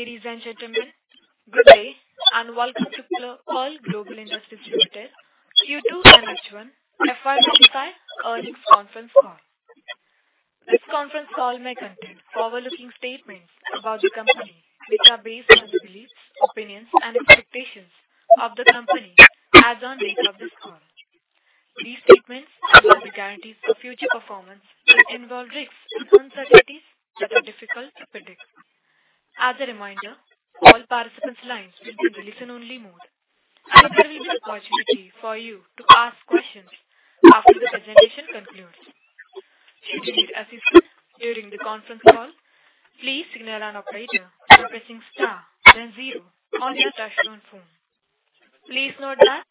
Ladies and gentlemen, good day and welcome to Pearl Global Industries Limited's H1 FY25 earnings conference call. This conference call may contain forward-looking statements about the company, which are based on the beliefs, opinions, and expectations of the company as on date of this call. These statements will be guaranteed for future performance and involve risks and uncertainties that are difficult to predict. As a reminder, all participants' lines will be in the listen-only mode, and there will be an opportunity for you to ask questions after the presentation concludes. Should you need assistance during the conference call, please signal an operator by pressing star then zero on your touch-tone phone. Please note that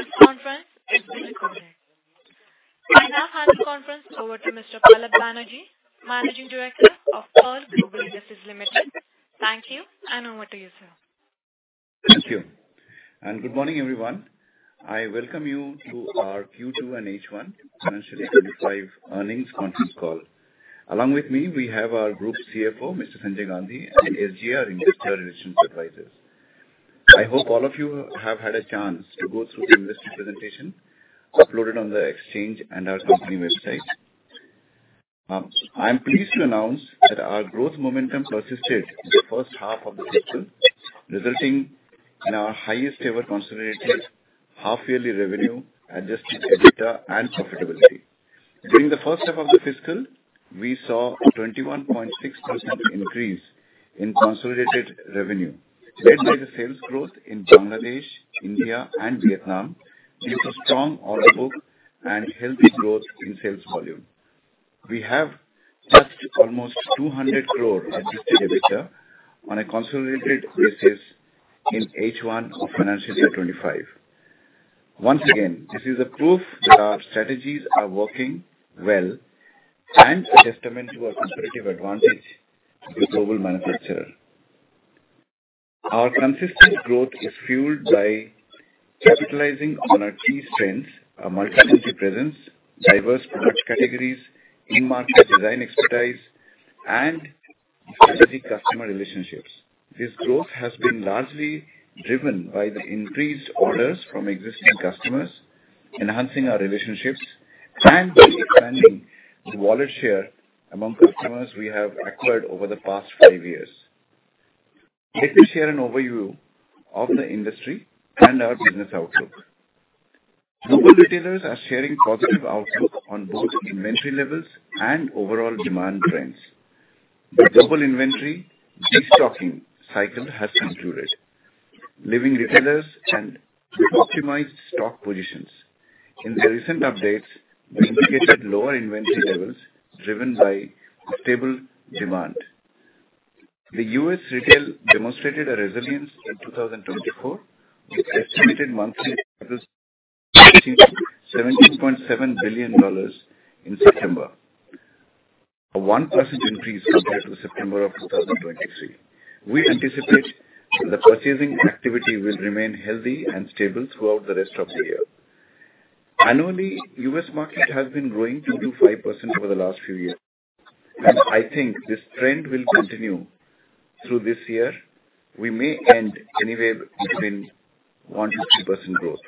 this conference is being recorded. I now hand the conference over to Mr. Pallab Banerjee, Managing Director of Pearl Global Industries Limited. Thank you, and over to you, sir. Thank you and good morning, everyone. I welcome you to our Q2 H1 FY25 earnings conference call. Along with me, we have our Group CFO, Mr. Sanjay Gandhi, and SGA, our Investor Relations Advisors. I hope all of you have had a chance to go through the investor presentation uploaded on the exchange and our company website. I'm pleased to announce that our growth momentum persisted in the first half of the fiscal, resulting in our highest-ever consolidated half-yearly revenue adjusted EBITDA and profitability. During the first half of the fiscal, we saw a 21.6% increase in consolidated revenue, led by the sales growth in Bangladesh, India, and Vietnam due to strong order book and healthy growth in sales volume. We have touched almost 200 crore adjusted EBITDA on a consolidated basis in H1 of FY 2025. Once again, this is a proof that our strategies are working well and a testament to our competitive advantage as a global manufacturer. Our consistent growth is fueled by capitalizing on our key strengths: our multi-land presence, diverse product categories, in-market design expertise, and strategic customer relationships. This growth has been largely driven by the increased orders from existing customers, enhancing our relationships and expanding the wallet share among customers we have acquired over the past five years. Let me share an overview of the industry and our business outlook. Global retailers are sharing positive outlook on both inventory levels and overall demand trends. The global inventory restocking cycle has concluded, leaving retailers with optimized stock positions. In the recent updates, we indicated lower inventory levels driven by stable demand. The U.S. retail demonstrated a resilience in 2024, with estimated monthly revenues reaching $17.7 billion in September, a 1% increase compared to September of 2023. We anticipate that the purchasing activity will remain healthy and stable throughout the rest of the year. Annually, the U.S. market has been growing 2%-5% over the last few years, and I think this trend will continue through this year. We may end anywhere between 1%-2% growth.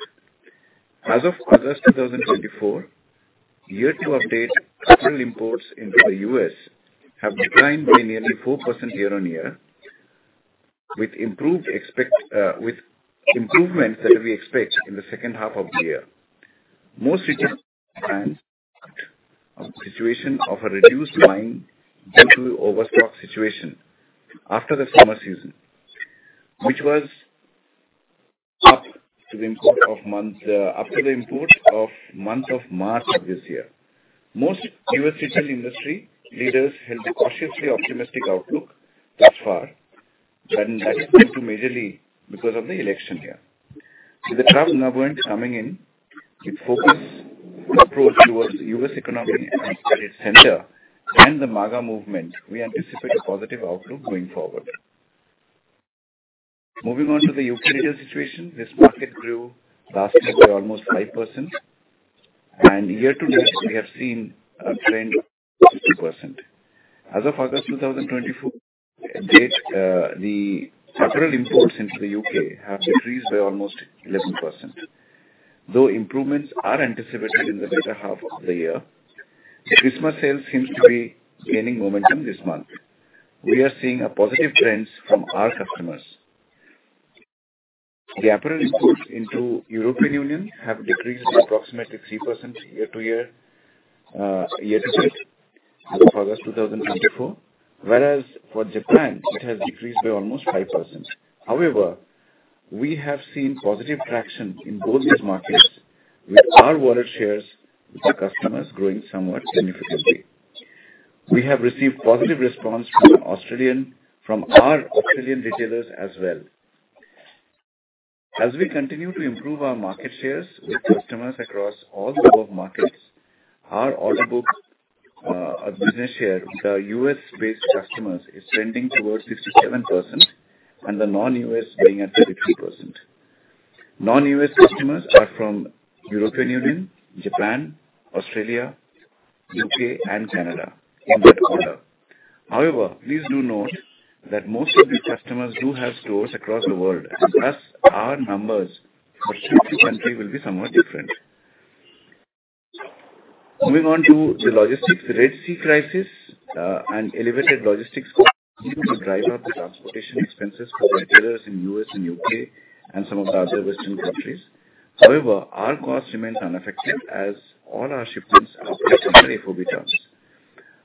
As of August 2024, year-to-year update, total imports into the U.S. have declined by nearly 4% year-on-year, with improvements that we expect in the second half of the year. Most retailers are compliant with the situation of a reduced line due to overstock situation after the summer season, which was up to the import of months after the import of month of March of this year. Most U.S. retail industry leaders held a cautiously optimistic outlook thus far, but that is due to majorly because of the election year. With the Trump government coming in, with a focused approach towards the U.S. economy as its center and the MAGA movement, we anticipate a positive outlook going forward. Moving on to the U.K. retail situation, this market grew last year by almost 5%, and year-to-date, we have seen a trend of 2%. As of August 2024, the total imports into the U.K. have decreased by almost 11%. Though improvements are anticipated in the later half of the year, the Christmas sales seem to be gaining momentum this month. We are seeing a positive trend from our customers. The apparel imports into the European Union have decreased by approximately 3% year-to-year as of August 2024, whereas for Japan, it has decreased by almost 5%. However, we have seen positive traction in both these markets, with our wallet shares with the customers growing somewhat significantly. We have received positive response from our Australian retailers as well. As we continue to improve our market shares with customers across all the above markets, our order book of business share with our U.S.-based customers is trending towards 67%, and the non-U.S. being at 33%. Non-U.S. customers are from the European Union, Japan, Australia, U.K., and Canada in that order. However, please do note that most of these customers do have stores across the world, and thus our numbers for each country will be somewhat different. Moving on to the logistics, the Red Sea crisis and elevated logistics continue to drive up the transportation expenses for retailers in the U.S. and U.K. and some of the other Western countries. However, our cost remains unaffected as all our shipments are subject to FOB terms.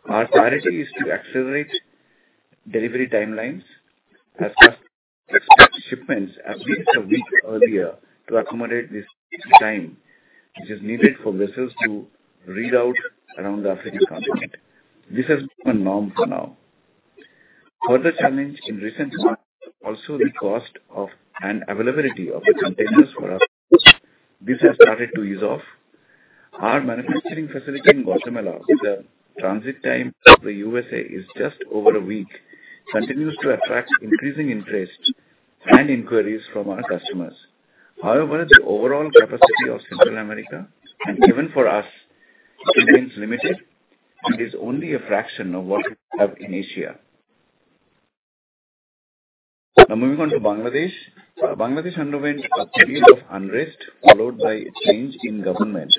Our priority is to accelerate delivery timelines, as customers expect shipments at least a week earlier to accommodate this time, which is needed for vessels to reroute around the African continent. This has become a norm for now. Further challenge in recent times is also the cost and availability of the containers for us. This has started to ease off. Our manufacturing facility in Guatemala, with a transit time to the USA just over a week, continues to attract increasing interest and inquiries from our customers. However, the overall capacity of Central America, and even for us, remains limited and is only a fraction of what we have in Asia. Now, moving on to Bangladesh. Bangladesh underwent a period of unrest, followed by a change in government,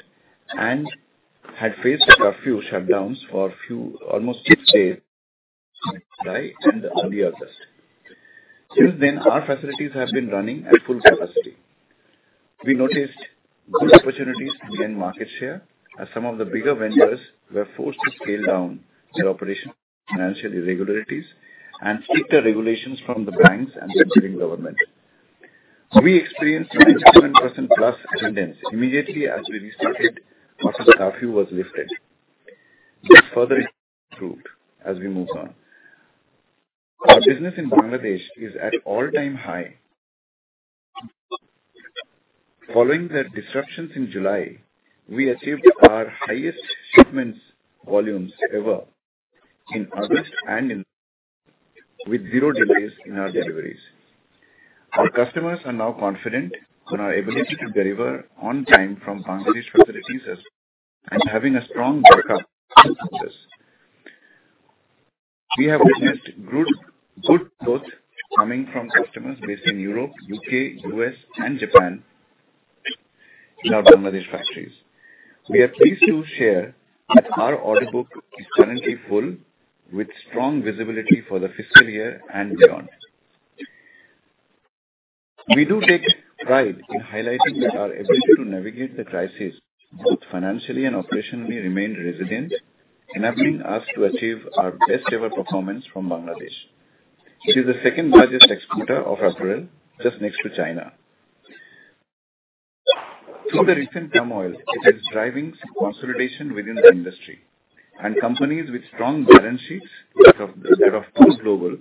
and had faced a curfew shutdowns for almost six days in July and early August. Since then, our facilities have been running at full capacity. We noticed good opportunities to gain market share, as some of the bigger vendors were forced to scale down their operation due to financial irregularities and stricter regulations from the banks and the interim government. We experienced 97% plus attendance immediately as we restarted after the curfew was lifted. This further improved as we moved on. Our business in Bangladesh is at all-time high. Following the disruptions in July, we achieved our highest shipments volumes ever in August and in with zero delays in our deliveries. Our customers are now confident in our ability to deliver on time from Bangladesh facilities and having a strong backup. We have witnessed good growth coming from customers based in Europe, U.K., U.S., and Japan in our Bangladesh factories. We are pleased to share that our order book is currently full, with strong visibility for the fiscal year and beyond. We do take pride in highlighting that our ability to navigate the crisis, both financially and operationally, remained resilient, enabling us to achieve our best-ever performance from Bangladesh. It is the second-largest exporter of our world, just next to China. Through the recent turmoil, it is driving consolidation within the industry, and companies with strong balance sheets that of Pearl Global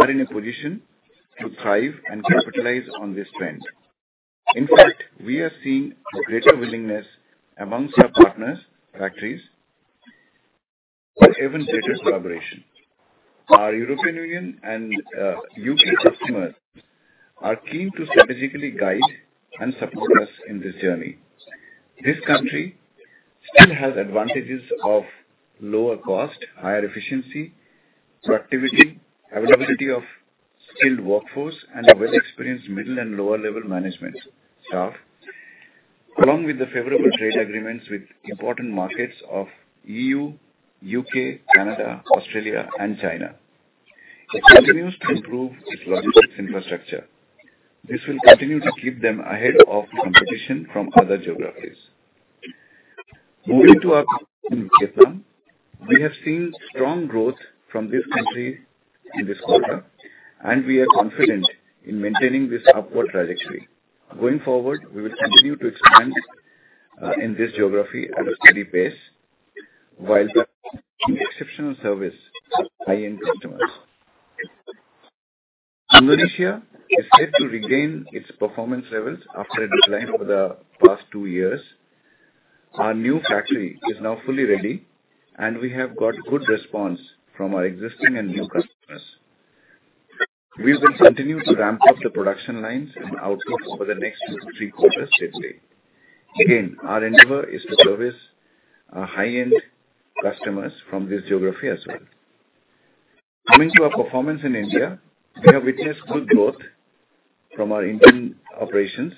are in a position to thrive and capitalize on this trend. In fact, we are seeing greater willingness amongst our partners, factories, for even greater collaboration. Our European Union and U.K. customers are keen to strategically guide and support us in this journey. This country still has advantages of lower cost, higher efficiency, productivity, availability of skilled workforce, and well-experienced middle and lower-level management staff, along with the favorable trade agreements with important markets of the EU, U.K., Canada, Australia, and China. It continues to improve its logistics infrastructure. This will continue to keep them ahead of competition from other geographies. Moving to our operations in Vietnam, we have seen strong growth from this country in this quarter, and we are confident in maintaining this upward trajectory. Going forward, we will continue to expand in this geography at a steady pace while providing exceptional service to high-end customers. Indonesia is set to regain its performance levels after a decline for the past two years. Our new factory is now fully ready, and we have got good response from our existing and new customers. We will continue to ramp up the production lines and output over the next two to three quarters steadily. Again, our endeavor is to service our high-end customers from this geography as well. Coming to our performance in India, we have witnessed good growth from our Indian operations,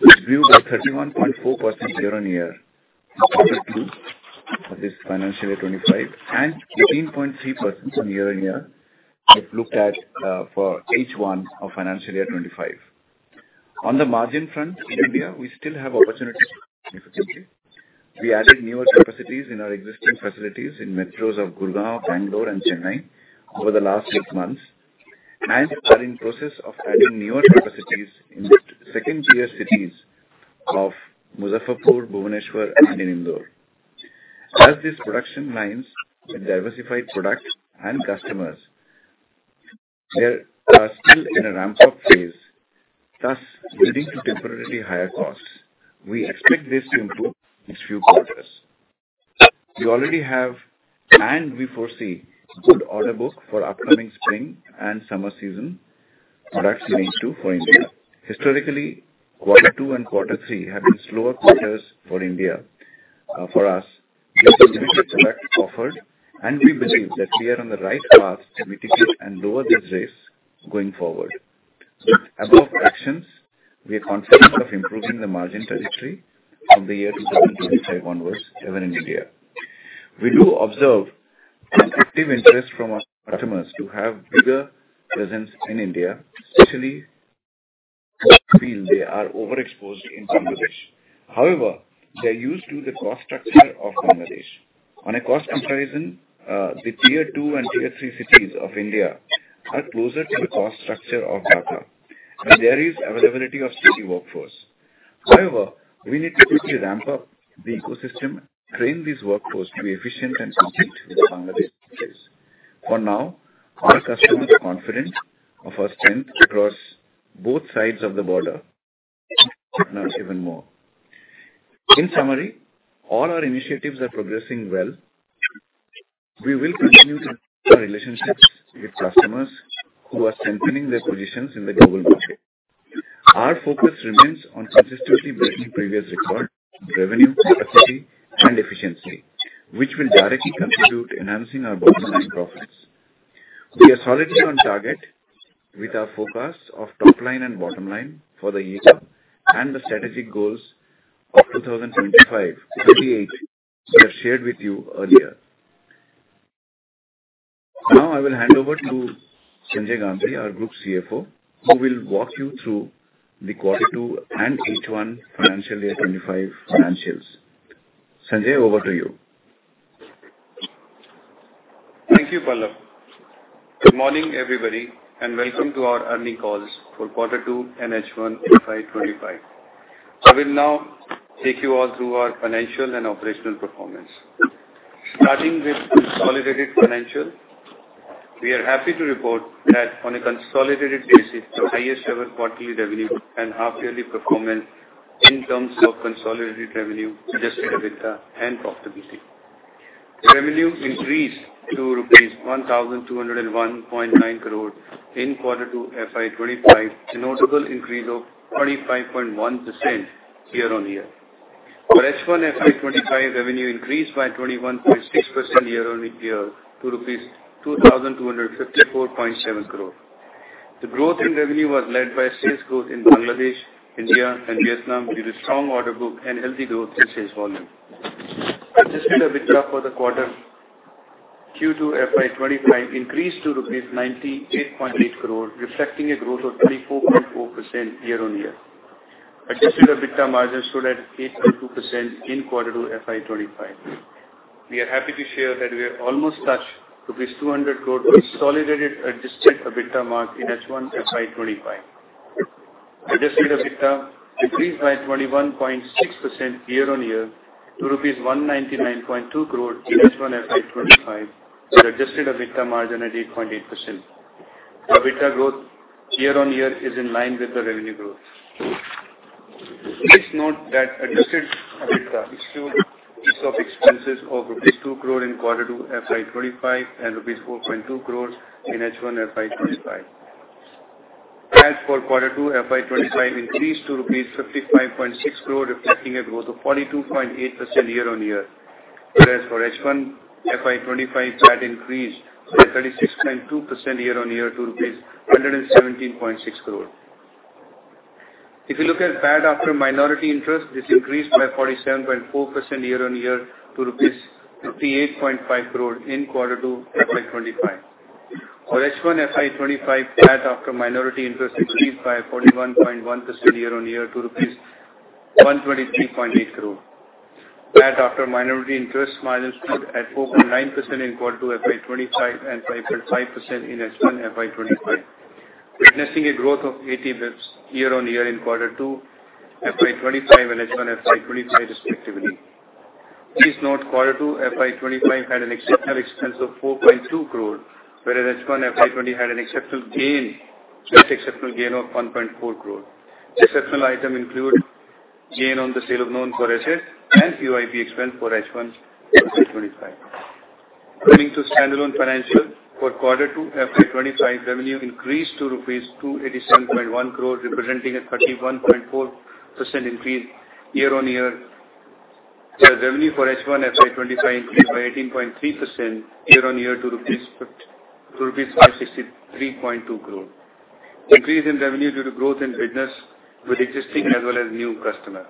which grew by 31.4% year-on-year in quarter two of this financial year 2025 and 18.3% year-on-year if looked at for H1 of financial year 2025. On the margin front, in India, we still have opportunities significantly. We added newer capacities in our existing facilities in metros of Gurgaon, Bangalore, and Chennai over the last six months, and are in the process of adding newer capacities in the second-tier cities of Muzaffarpur, Bhubaneswar, and in Indore. As these production lines with diversified product and customers are still in a ramp-up phase, thus leading to temporarily higher costs, we expect this to improve in a few quarters. We already have and we foresee good order book for upcoming spring and summer season products leading to for India. Historically, quarter two and quarter three have been slower quarters for us. We have limited product offered, and we believe that we are on the right path to mitigate and lower this risk going forward. With above actions, we are confident of improving the margin territory from the year 2025 onwards even in India. We do observe an active interest from our customers to have a bigger presence in India, especially since they are overexposed in Bangladesh. However, they are used to the cost structure of Bangladesh. On a cost comparison, the Tier 2 and Tier 3 cities of India are closer to the cost structure of Dhaka, and there is availability of steady workforce. However, we need to quickly ramp up the ecosystem and train these workforces to be efficient and compete with the Bangladesh market. For now, our customers are confident of our strength across both sides of the border and partners even more. In summary, all our initiatives are progressing well. We will continue to strengthen our relationships with customers who are strengthening their positions in the global market. Our focus remains on consistently breaking previous records of revenue, capacity, and efficiency, which will directly contribute to enhancing our bottom-line profits. We are solidly on target with our forecast of top-line and bottom-line for the year and the strategic goals of 2025 that I shared with you earlier. Now, I will hand over to Sanjay Gandhi, our Group CFO, who will walk you through the quarter two and H1 financial year 2025 financials. Sanjay, over to you. Thank you, Pallab. Good morning, everybody, and welcome to our Earnings Calls for Q2 and H1 FY 2025. I will now take you all through our financial and operational performance. Starting with consolidated financials, we are happy to report that on a consolidated basis, the highest-ever quarterly revenue and half-yearly performance in terms of consolidated revenue sustainability and profitability. Revenue increased to rupees 1,201.9 crore in quarter two FY 2025, a notable increase of 25.1% year-on-year. H1 FY 2025, revenue increased by 21.6% year-on-year to INR 2,254.7 crore. The growth in revenue was led by sales growth in Bangladesh, India, and Vietnam due to strong order book and healthy growth in sales volume. Adjusted EBITDA for the quarter Q2 FY 2025 increased to Rs 98.8 crore, reflecting a growth of 24.0% year-on-year. Adjusted EBITDA margin stood at 8.2% in quarter two FY 2025. We are happy to share that we have almost touched Rs 200 crore consolidated adjusted EBITDA H1 FY 2025. Adjusted EBITDA increased by 21.6% year-on-year to Rs 199.2 H1 FY 2025 with adjusted EBITDA margin at 8.8%. EBITDA growth year-on-year is in line with the revenue growth. Please note that adjusted EBITDA excludes expenses of Rs 2 crore in quarter two FY 2025 and Rs 4.2 H1 FY 2025. As for quarter two FY 2025, it increased to Rs 55.6 crore, reflecting a growth of 42.8% year-on-year. H1 FY 2025, that increased by 36.2% year-on-year to rupees 117.6 crore. If you look at PAT after minority interest, this increased by 47.4% year-on-year to INR 58.5 crore in quarter two FY 2025. For H1 FY 2025, PAT after minority interest increased by 41.1% year-on-year to rupees 123.8 crore. PAT after minority interest margins stood at 4.9% in Q2 FY 2025 and 5.5% in H1 FY 2025, witnessing a growth of 80 basis points year-on-year in quarter two FY 2025 and H1 FY 2025, respectively. Please note, quarter two FY 2025 had an exceptional expense of 4.2 crore, whereas H1 FY 2020 had an exceptional gain of 1.4 crore. Exceptional items include gain on the sale of non-core assets and VRS expense H1 FY 2025. Coming to standalone financials, for quarter two FY 2025, revenue increased to rupees 287.1 crore, representing a 31.4% increase year-on-year. The H1 FY 2025 increased by 18.3% year-on-year to rupees 563.2 crore. Increase in revenue due to growth in business with existing as well as new customers.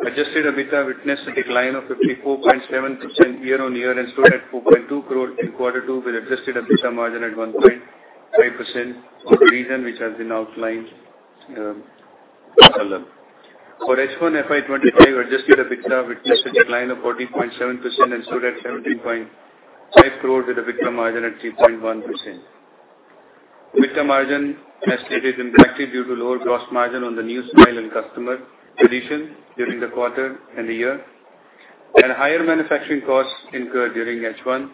Adjusted EBITDA witnessed a decline of 54.7% year-on-year and stood at 4.2 crore in quarter two with adjusted EBITDA margin at 1.5% for the reason which has been H1 FY 2025, adjusted EBITDA witnessed a decline of 40.7% and stood at 17.5 crore with EBITDA margin at 3.1%. EBITDA margin has been impacted due to lower gross margin on the new style and customer addition during the quarter and the year, and higher manufacturing costs incurred during H1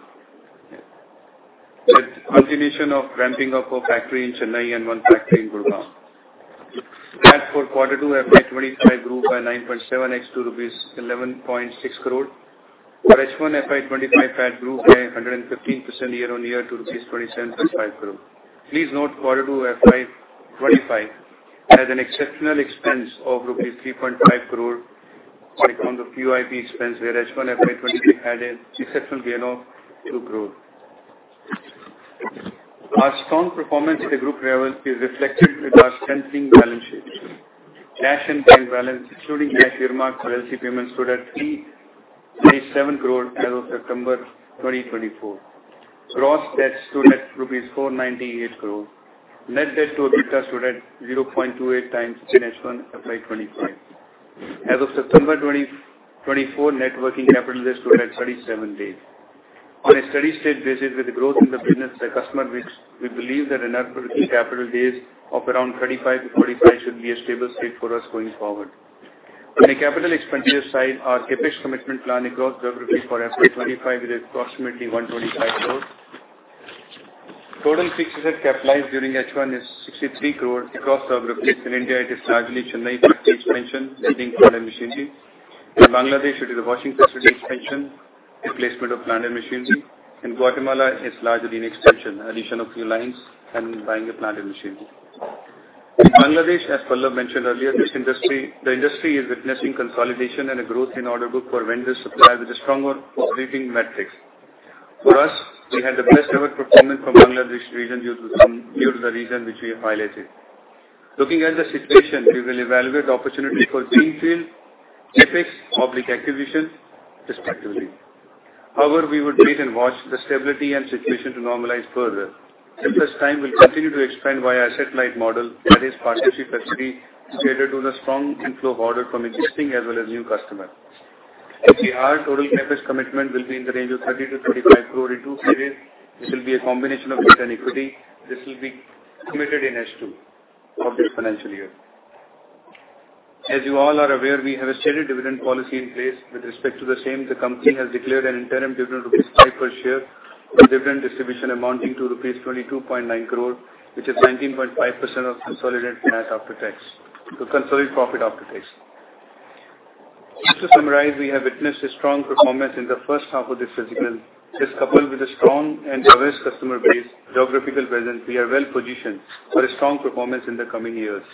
with continuation of ramping up of factory in Chennai and one factory in Gurgaon. As for quarter two FY 2025, grew by 9.7x, INR 11.6 crore. H1 FY 2025, PAT grew by 115% year-on-year to rupees 27.5 crore. Please note, quarter two FY 2025 had an exceptional expense of rupees 3.5 crore on account of QIP H1 FY 2025 had an exceptional gain of 2 crore. Our strong performance in the group level is reflected with our strengthening balance sheet. Cash and cash balance, including cash earmark for healthy payments, stood at 37 crore as of September 2024. Gross debt stood at INR 498 crore. Net debt to EBITDA stood at 0.28 H1 FY 2025. As of September 2024, net working capital days stood at 37 days. On a steady-state basis, with the growth in the business, the customer wishes, we believe that net working capital days of around 35-45 should be a stable state for us going forward. On a capital expenditure side, our CapEx commitment plan across geographies for FY 2025 is approximately 125 crore. Total fixed asset capitalized during H1 is 63 crore across geographies. In India, it is largely Chennai factory expansion, including plant and machinery. In Bangladesh, it is a washing facility expansion, replacement of plant and machinery. In Guatemala, it's largely an extension, addition of new lines and buying plant and machinery. In Bangladesh, as Pallab mentioned earlier, the industry is witnessing consolidation and a growth in order book for vendors, suppliers with a stronger operating metrics. For us, we had the best-ever performance for Bangladesh region due to the reason which we have highlighted. Looking at the situation, we will evaluate opportunities for greenfield, capex, inorganic acquisition, respectively. However, we will wait and watch the stability and situation to normalize further. At this time, we'll continue to expand via asset-light model that is partnership activity catered to the strong inflow of order from existing as well as new customers. If we are, total CapEx commitment will be in the range of 30-35 crore in two periods. This will be a combination of debt and equity. This will be committed in H2 of this financial year. As you all are aware, we have a steady dividend policy in place. With respect to the same, the company has declared an interim dividend of rupees 5 per share with dividend distribution amounting to rupees 22.9 crore, which is 19.5% of consolidated net after tax, so consolidated profit after tax. Just to summarize, we have witnessed a strong performance in the first half of this fiscal year. Coupled with a strong and diverse customer base, geographical presence, we are well positioned for a strong performance in the coming years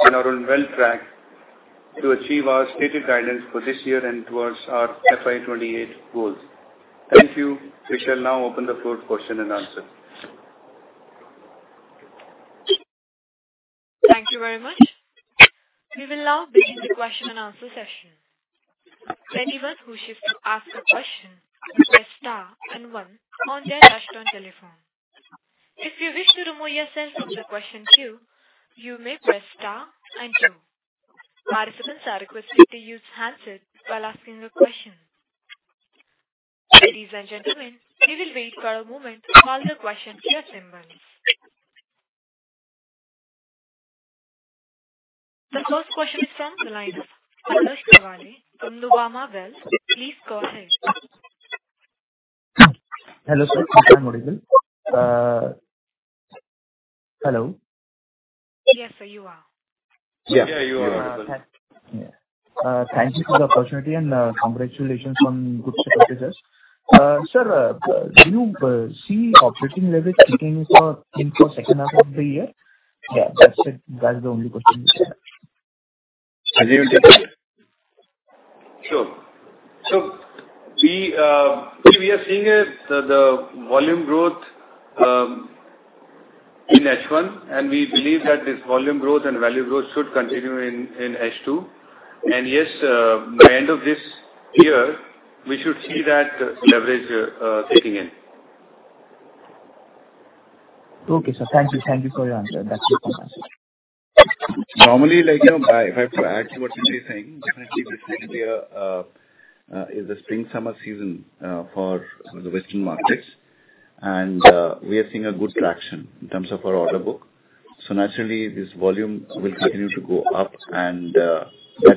and are well on track to achieve our stated guidance for this year and towards our FY 2028 goals. Thank you. We shall now open the floor to question and answer. Thank you very much. We will now begin the question and answer session. Anyone who wishes to ask a question may press star and one on their dashboard telephone. If you wish to remove yourself from the question queue, you may press star and two. Participants are requested to use handsets while asking a question. Ladies and gentlemen, we will wait for a moment to call the question queue attendee. The first question is from the line of Palash Kawale from Nuvama Wealth. Please go ahead. Hello sir, this is I am audible. Hello. Yes sir, you are. Yeah, you are audible. Thank you for the opportunity and congratulations for good quarter. Sir, do you see operating leverage peaking for the second half of the year? Yeah, that's it. That's the only question we have. Sure. We are seeing the volume growth in H1, and we believe that this volume growth and value growth should continue in H2. And yes, by the end of this year, we should see that leverage kicking in. Okay sir, thank you. Thank you for your answer. That's it for my side. Normally, if I have to add to what you're saying, definitely this will be the spring-summer season for the Western markets, and we are seeing a good traction in terms of our order book. So naturally, this volume will continue to go up, and that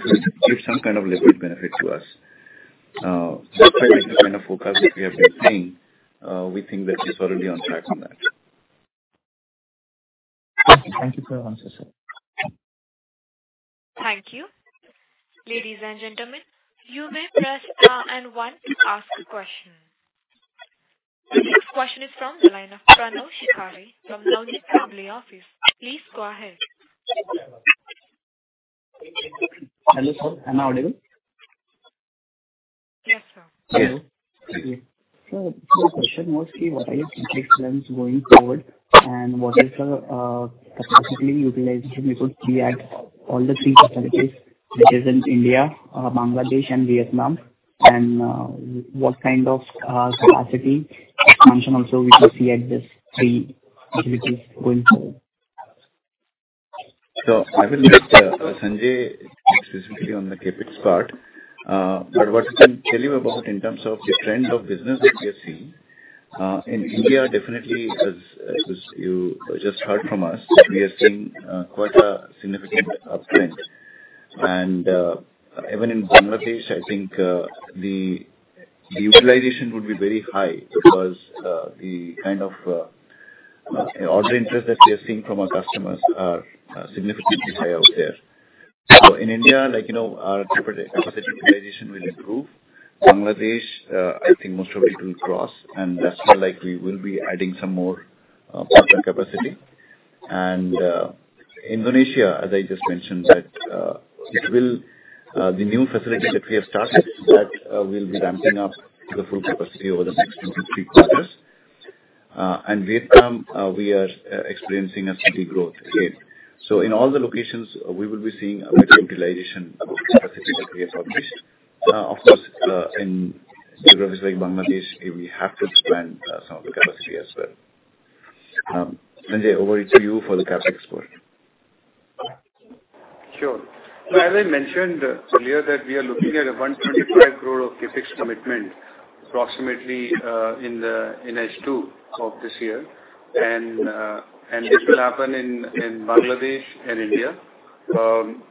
will give some kind of leverage benefit to us. Despite the kind of forecasts we have been seeing, we think that we're solidly on track on that. Thank you for your answer, sir. Thank you. Ladies and gentlemen, you may press star and one to ask a question. The next question is from the line of Pranav Shikhare from the Navneet Family Office. Please go ahead. Hello sir, am I audible? Yes sir. Hello. My question was, okay, what are your CapEx plans going forward, and what is the capacity utilization we could see at all the three facilities which are in India, Bangladesh, and Vietnam? And what kind of capacity expansion also we could see at these three facilities going forward? So I will let Sanjay speak specifically on the CapEx part. But what I can tell you about in terms of the trend of business that we are seeing in India, definitely, as you just heard from us, we are seeing quite a significant uptrend. And even in Bangladesh, I think the utilization would be very high because the kind of order interest that we are seeing from our customers are significantly higher out there. So in India, our capacity utilization will improve. Bangladesh, I think most of it will cross, and that's where we will be adding some more capacity. And Indonesia, as I just mentioned, that it will be the new facility that we have started that will be ramping up to the full capacity over the next two to three quarters. And Vietnam, we are experiencing a steady growth. So in all the locations, we will be seeing a better utilization of the capacity that we have published. Of course, in geographies like Bangladesh, we have to expand some of the capacity as well. Sanjay, over to you for the CapEx part. Sure. So as I mentioned earlier, that we are looking at an 125 crore CapEx commitment approximately in H2 of this year, and this will happen in Bangladesh and India.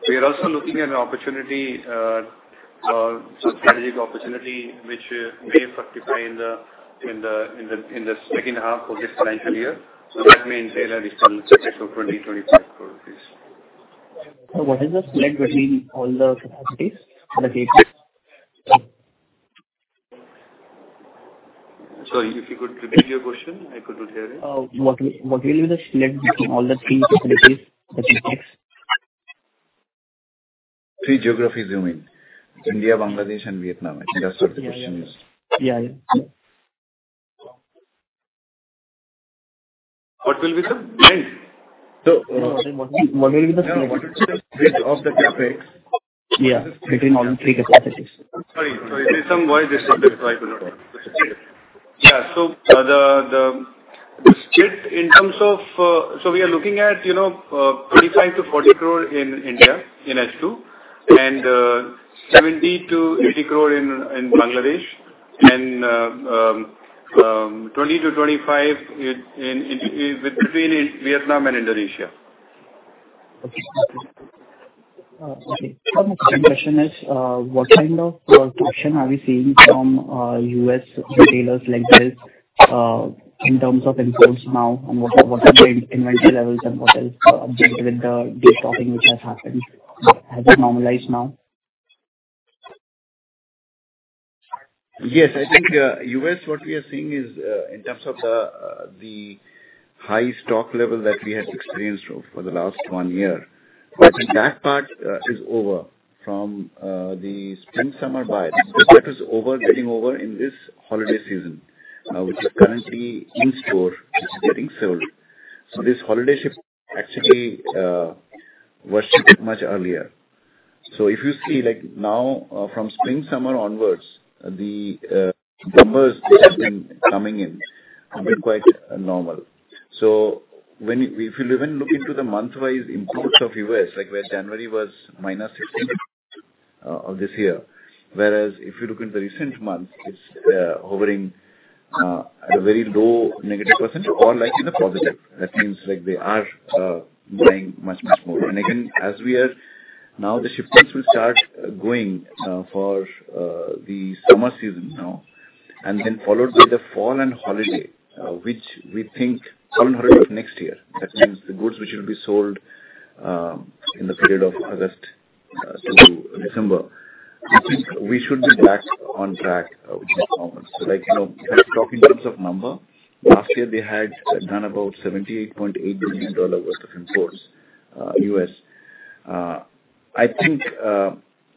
We are also looking at an opportunity, a strategic opportunity which may fructify in the second half of this financial year. So that may entail an additional spending of INR 20-25 crore. So what is the spend between all the capacities for the CapEx? Sorry, if you could repeat your question, I couldn't hear it. What will be the spend between all the three facilities that we have? Three geographies, you mean? India, Bangladesh, and Vietnam, I think that's what the question is. Yeah. What will be the spend? So what will be the spend? What is the spend of the CapEx between all the three capacities? Sorry, there is some noise disturbance, so I could not hear. Yeah, so the spend in terms of so we are looking at 25-40 crore in India in H2, and 70-80 crore in Bangladesh, and 20-25 crore between Vietnam and Indonesia. Okay. So my question is, what kind of cautiousness are we seeing from U.S. retailers like this in terms of imports now, and what are the inventory levels, and what else with the de-stocking which has happened? Has it normalized now? Yes, I think U.S., what we are seeing is in terms of the high stock level that we have experienced for the last one year. But that part is over from the spring-summer buy. That is over, getting over in this holiday season, which is currently in store, which is getting sold. So this holiday shipment actually was shipped much earlier. So if you see, now from spring-summer onwards, the numbers that have been coming in have been quite normal. So if you even look into the month-wise imports of U.S., like where January was minus 16% of this year, whereas if you look into the recent months, it's hovering at a very low negative percentage or in the positive. That means they are buying much, much more. And again, as we are now, the shipments will start going for the summer season now, and then followed by the fall and holiday, which we think fall and holiday of next year. That means the goods which will be sold in the period of August to December. I think we should be back on track with this normal. So if I talk in terms of number, last year they had done about $78.8 million worth of imports, U.S. I think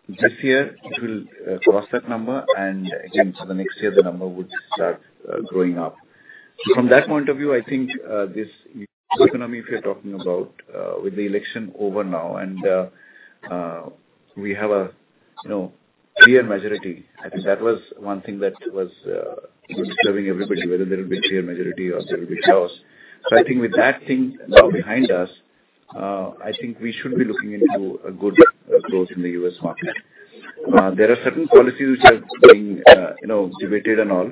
this year it will cross that number, and again, for the next year, the number would start growing up. So from that point of view, I think this economy, if you're talking about with the election over now, and we have a clear majority, I think that was one thing that was disturbing everybody, whether there will be a clear majority or there will be chaos. So I think with that thing now behind us, I think we should be looking into a good growth in the U.S. market. There are certain policies which are being debated and all,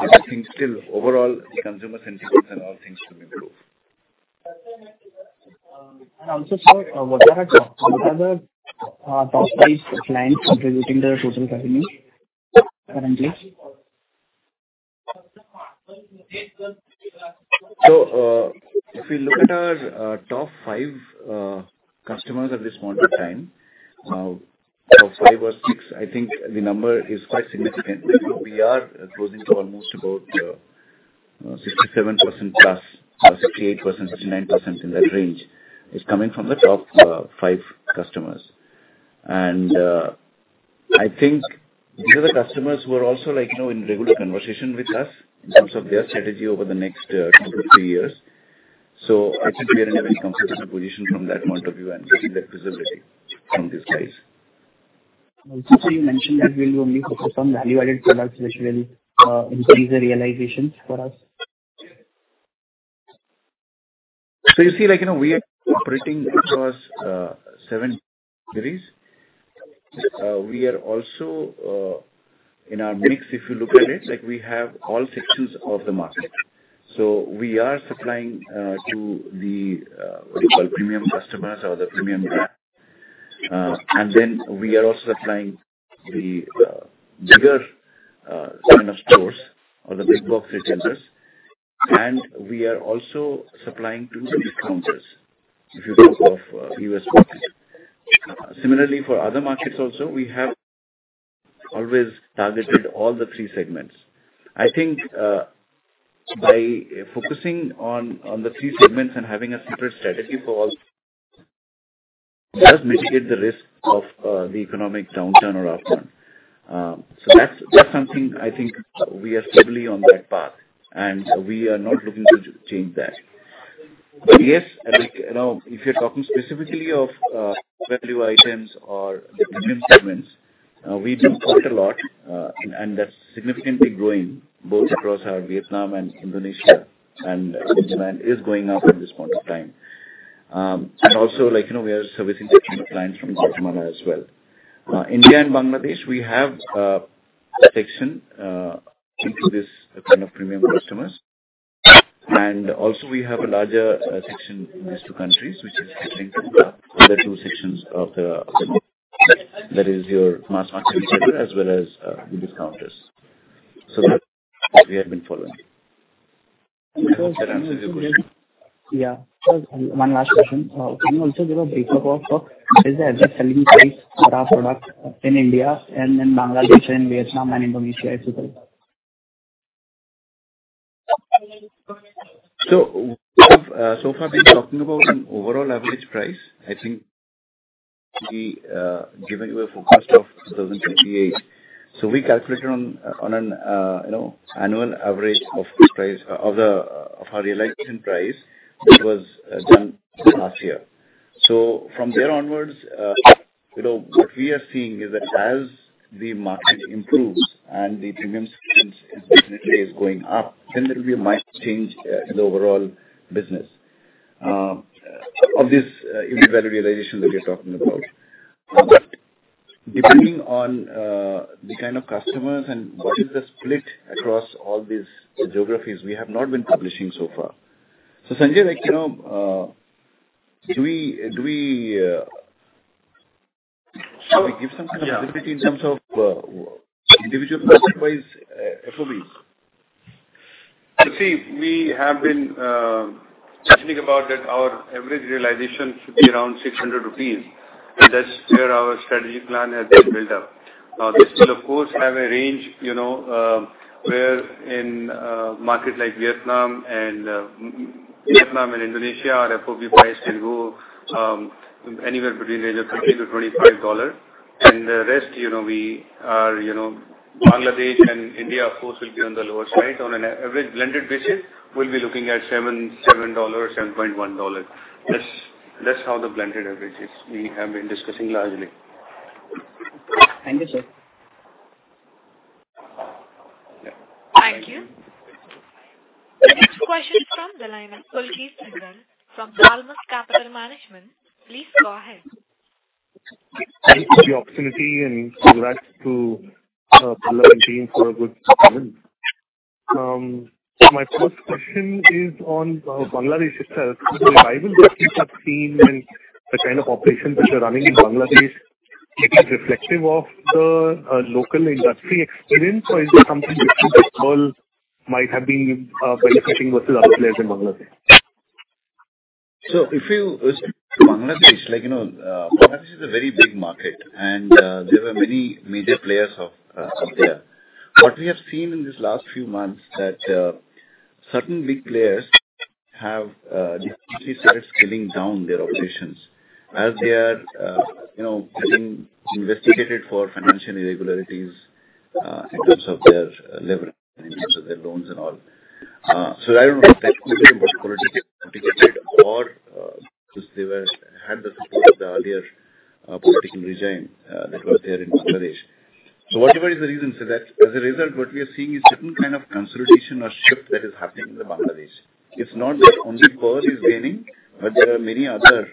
but I think still overall, the consumer sentiment and all things could improve. And also sir, what are the top eight clients contributing to the total revenue currently? So if we look at our top five customers at this point in time, top five or six, I think the number is quite significant. We are closing to almost about 67% plus, 68%, 69% in that range. It's coming from the top five customers. And I think these are the customers who are also in regular conversation with us in terms of their strategy over the next two to three years. So I think we are in a very competitive position from that point of view and getting that visibility from these guys. So you mentioned that you will be only focused on value-added products which will increase the realization for us. So you see, we are operating across seven categories. We are also in our mix, if you look at it, we have all sections of the market. So we are supplying to the what you call premium customers or the premium brands. And then we are also supplying the bigger kind of stores or the big box retailers. And we are also supplying to the discounters, if you think of U.S. market. Similarly, for other markets also, we have always targeted all the three segments. I think by focusing on the three segments and having a separate strategy for all, it does mitigate the risk of the economic downturn or upturn. So that's something I think we are steadily on that path, and we are not looking to change that. Yes, now if you're talking specifically of value items or premium segments, we do quite a lot, and that's significantly growing both across our Vietnam and Indonesia, and demand is going up at this point in time. And also, we are servicing some clients from Guatemala as well. India and Bangladesh, we have a section into this kind of premium customers. And also, we have a larger section in these two countries, which is the other two sections of the market, that is your mass market retailer as well as the discounters. So that's what we have been following. Does that answer your question? Yeah. One last question. Can you also give a brief look of what is the average selling price for our product in India and then Bangladesh and Vietnam and Indonesia if you could? So we have so far been talking about an overall average price. I think we given you a forecast of 2028. So we calculated on an annual average of our realization price that was done last year. From there onwards, what we are seeing is that as the market improves and the premium segments is definitely going up, then there will be a minor change in the overall business of this value realization that you're talking about. Depending on the kind of customers and what is the split across all these geographies, we have not been publishing so far. Sanjay, do we give some visibility in terms of individual market-wise FOBs? See, we have been mentioning about that our average realization should be around 600 rupees, and that's where our strategic plan has been built up. Now, this will, of course, have a range where in markets like Vietnam and Indonesia our FOB price can go anywhere between the range of $20-$25. And the rest, we are Bangladesh and India, of course, will be on the lower side. On an average blended basis, we'll be looking at $7-$7.1. That's how the blended average is. We have been discussing largely. Thank you, sir. Thank you. The next question is from the line of Pulkit Singhal from Dalmus Capital Management. Please go ahead. Thank you for the opportunity and congrats to the team for a good experience. My first question is on Bangladesh itself. The apparel that you have seen and the kind of operations that you're running in Bangladesh, is it reflective of the local industry experience, or is it something different that all might have been benefiting versus other players in Bangladesh? So if you say Bangladesh, Bangladesh is a very big market, and there are many major players out there. What we have seen in these last few months is that certain big players have decreased, started scaling down their operations as they are being investigated for financial irregularities in terms of their leverage and in terms of their loans and all. So I don't know if that's due to politically motivated or because they had the support of the earlier political regime that was there in Bangladesh. So whatever is the reason, as a result, what we are seeing is a different kind of consolidation or shift that is happening in Bangladesh. It's not that only Pearl is gaining, but there are many other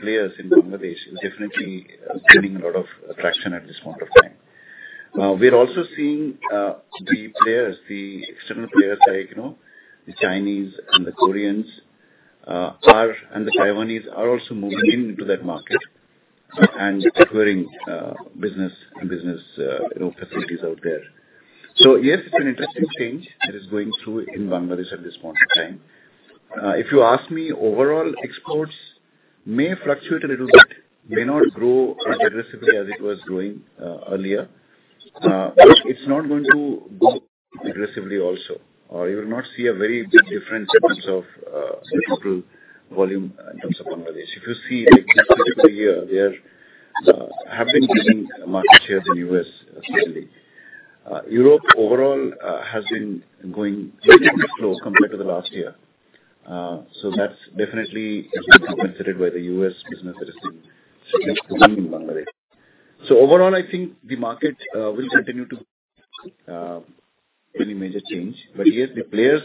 players in Bangladesh who are definitely gaining a lot of traction at this point of time. We're also seeing the players, the external players like the Chinese and the Koreans and the Taiwanese are also moving into that market and acquiring business and business facilities out there. So yes, it's an interesting change that is going through in Bangladesh at this point in time. If you ask me, overall exports may fluctuate a little bit, may not grow as aggressively as it was growing earlier, but it's not going to grow aggressively also, or you will not see a very big difference in terms of garment volume in terms of Bangladesh. If you see, this particular year, they have been gaining market share in the U.S. significantly. Europe overall has been going slow compared to the last year. So that's definitely being compensated by the U.S. business that has been growing in Bangladesh. So overall, I think the market will continue to go through many major changes. But yes, the players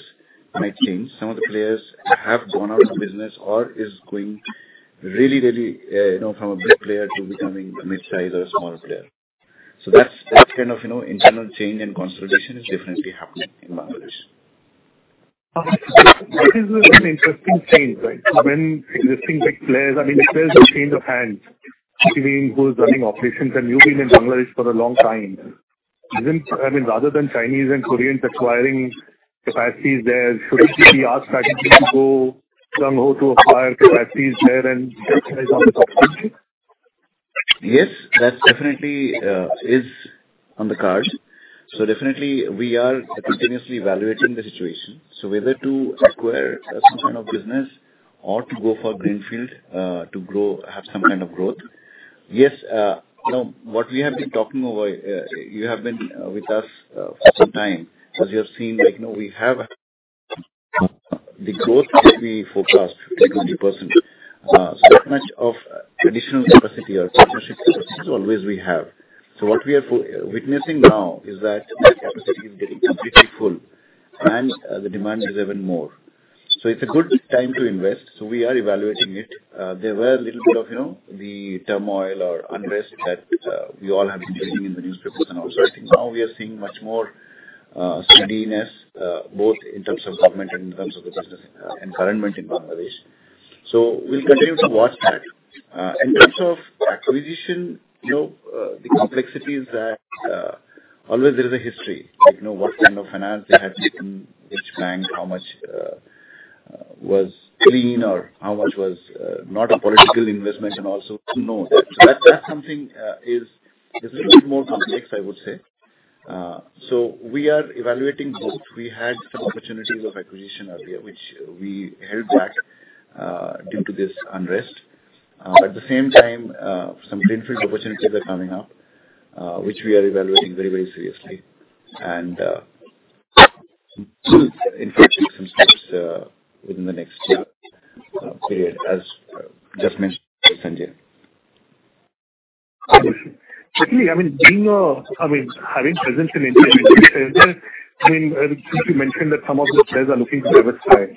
might change. Some of the players have gone out of business or are going really, really from a big player to becoming a mid-size or a smaller player. So that's kind of internal change and consolidation is definitely happening in Bangladesh. That is an interesting change, right? When existing big players I mean, there's a change of hands between who's running operations. And you've been in Bangladesh for a long time. I mean, rather than Chinese and Koreans acquiring capacities there, shouldn't it be our strategy to go to acquire capacities there and capitalize on the opportunity? Yes, that definitely is on the cards. So definitely, we are continuously evaluating the situation. So whether to acquire some kind of business or to go for Greenfield to have some kind of growth, yes. Now, what we have been talking about, you have been with us for some time, as you have seen, we have the growth that we forecast to be 20%. So much of additional capacity or partnership capacity is always we have. So what we are witnessing now is that the capacity is getting completely full, and the demand is even more. So it's a good time to invest. So we are evaluating it. There were a little bit of the turmoil or unrest that we all have been reading in the newspapers and also, I think now we are seeing much more speediness, both in terms of government and in terms of the business environment in Bangladesh. So we'll continue to watch that. In terms of acquisition, the complexities that always there is a history, what kind of finance they have taken, which bank, how much was clean, or how much was not a political investment, and also know that. So that's something is a little bit more complex, I would say. So we are evaluating both. We had some opportunities of acquisition earlier, which we held back due to this unrest. At the same time, some Greenfield opportunities are coming up, which we are evaluating very, very seriously, and we'll take some steps within the next period, as just mentioned by Sanjay. Certainly, I mean, having presented in the interview, Sanjay, I mean, since you mentioned that some of these players are looking to diversify,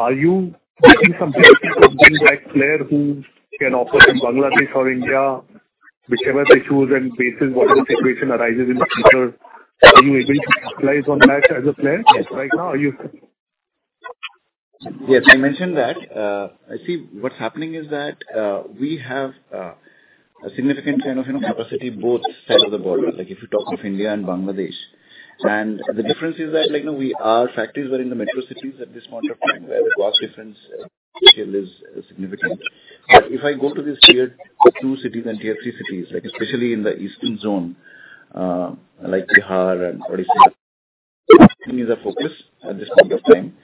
are you getting some people being that player who can offer to Bangladesh or India, whichever they choose and based on whatever situation arises in the future? Are you able to capitalize on that as a player right now? Are you? Yes, I mentioned that. I see what's happening is that we have a significant kind of capacity both sides of the border, like if you talk of India and Bangladesh. The difference is that we have factories that are in the metro cities at this point of time where the cost difference still is significant. But if I go to these tier two cities and tier three cities, especially in the eastern zone like Bihar and Odisha, these are focused at this point of time,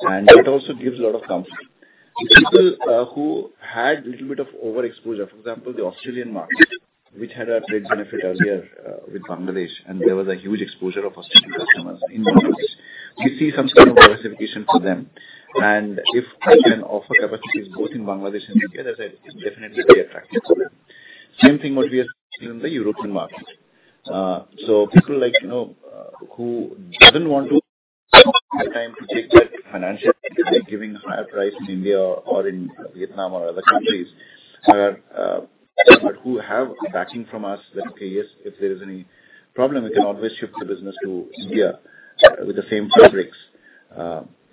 and that also gives a lot of comfort. The people who had a little bit of overexposure, for example, the Australian market, which had a great benefit earlier with Bangladesh, and there was a huge exposure of Australian customers in Bangladesh, we see some kind of diversification for them. And if we can offer capacities both in Bangladesh and India, that is definitely very attractive. Same thing what we are seeing in the European market. So people who don't want to spend time to take that financially, giving a higher price in India or in Vietnam or other countries, but who have backing from us that, okay, yes, if there is any problem, we can always shift the business to India with the same fabrics.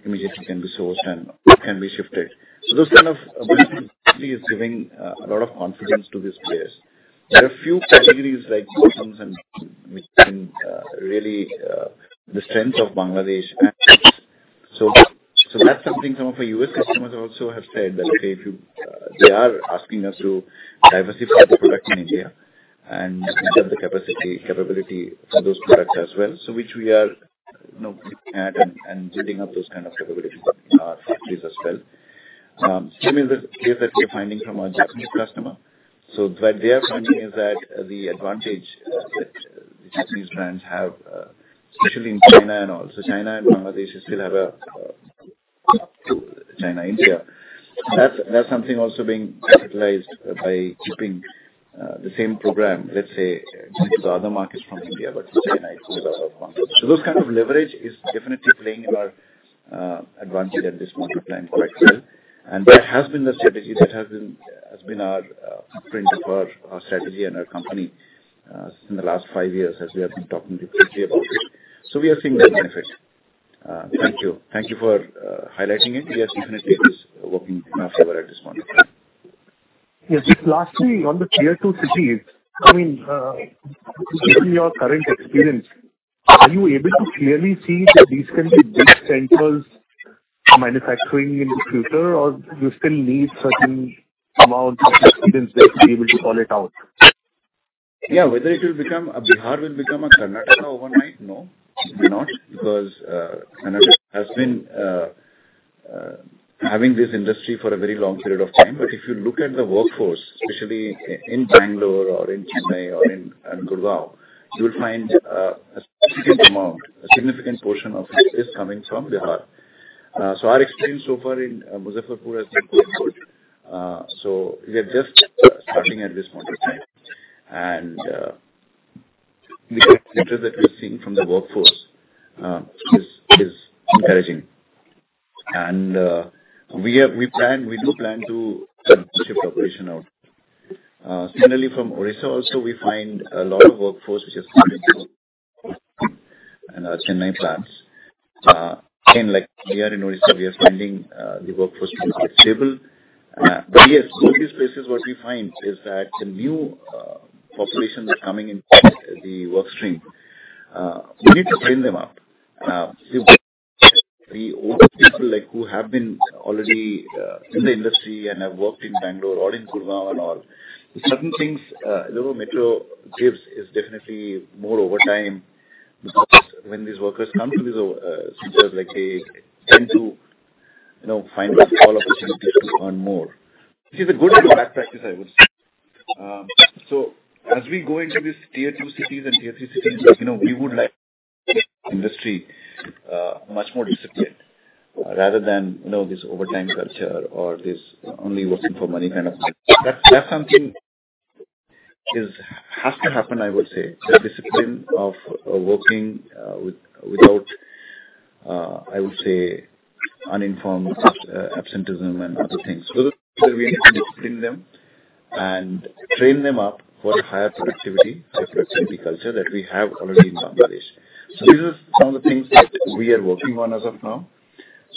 Immediately, it can be sourced and can be shifted. So that kind of [support] is giving a lot of confidence to these players. There are a few categories like knits and wovens which can really leverage the strength of Bangladesh. So that's something some of our U.S. customers also have said that, okay, they are asking us to diversify production in India and build up the capability for those products as well, which we are looking at and building up those kind of capabilities in our factories as well. The same is the case that we're finding from our Japanese customer. So what they are finding is that the advantage that these brands have, especially in China and also China and Bangladesh, they still have a China-India. That's something also being capitalized by keeping the same program, let's say, to other markets from India, but to China is a lot of context. So those kind of leverage is definitely playing our advantage at this point of time quite well, and that has been the strategy that has been our footprint for our strategy and our company in the last five years as we have been talking recently about it, so we are seeing the benefit. Thank you. Thank you for highlighting it. Yes, definitely, it is working in our favor at this point of time. Yes. Lastly, on the tier two cities, I mean, given your current experience, are you able to clearly see that these can be big centers manufacturing in the future, or you still need certain amounts of experience to be able to call it out? Yeah. Whether Bihar will become a Karnataka overnight, no, it will not because Karnataka has been having this industry for a very long period of time, but if you look at the workforce, especially in Bangalore or in Chennai or in Gurgaon, you will find a significant amount, a significant portion of it is coming from Bihar. So our experience so far in Muzaffarpur has been quite good, so we are just starting at this point of time. The interest that we're seeing from the workforce is encouraging, and we do plan to shift operation out. Similarly, from Odisha also, we find a lot of workforce, which is coming from our Chennai plants. Again, like we are in Odisha, we are finding the workforce to be quite stable. But yes, in these places, what we find is that the new population that's coming into the workstream, we need to train them up. We old people who have been already in the industry and have worked in Bangalore or in Gurgaon and all, certain things the metro gives is definitely more overtime because when these workers come to these centers, they tend to find this call opportunity to earn more, which is a good and bad practice, I would say. So as we go into these tier two cities and tier three cities, we would like industry much more disciplined rather than this overtime culture or this only working for money kind of. That's something that has to happen, I would say, the discipline of working without, I would say, uninformed absenteeism and other things. So we need to discipline them and train them up for a higher productivity, high productivity culture that we have already in Bangladesh. So these are some of the things that we are working on as of now.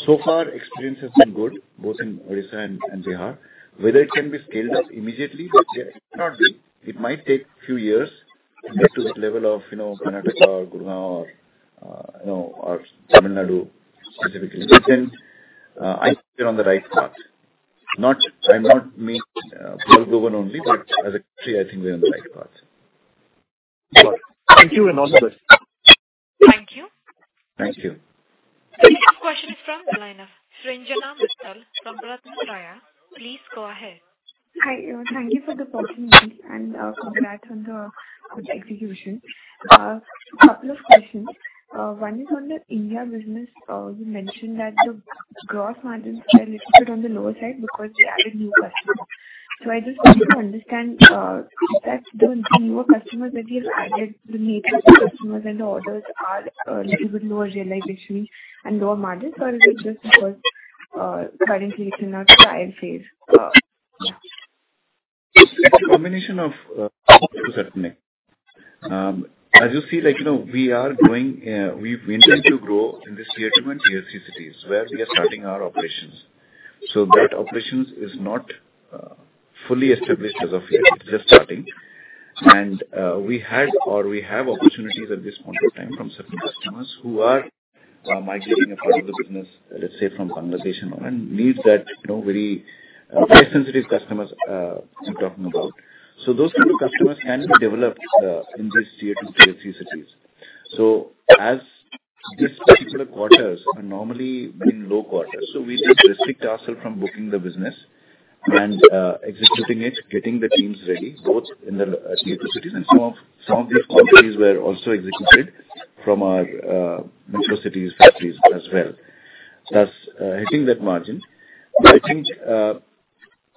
So far, experience has been good, both in Odisha and Bihar. Whether it can be scaled up immediately, it might take a few years to get to that level of Karnataka or Gurgaon or Tamil Nadu specifically. But then I think we're on the right path. I'm not meaning Pearl Global only, but as a country, I think we're on the right path. Thank you and all the best. Thank you. Thank you. The next question is from the line of Srinjana Mittal from RatnaTraya. Please go ahead. Hi, thank you for the opportunity and congrats on the good execution. A couple of questions. One is on the India business. You mentioned that the gross margins are a little bit on the lower side because we added new customers. So I just wanted to understand if that's the newer customers that you've added, the major customers and the orders are a little bit lower realization and lower margins, or is it just because currently it's in a trial phase. It's a combination of two certainly. As you see, we are going, we intend to grow in these tier two and tier three cities where we are starting our operations. So that operation is not fully established as of yet. It's just starting. And we had or we have opportunities at this point of time from certain customers who are migrating a part of the business, let's say, from Bangladesh and all, and need that very price-sensitive customers I'm talking about. So those kind of customers can be developed in these tier two, tier three cities. So as these particular quarters are normally being low quarters, so we restrict ourselves from booking the business and executing it, getting the teams ready, both in the tier two cities and some of these quantities were also executed from our metro cities factories as well. Thus, hitting that margin. I think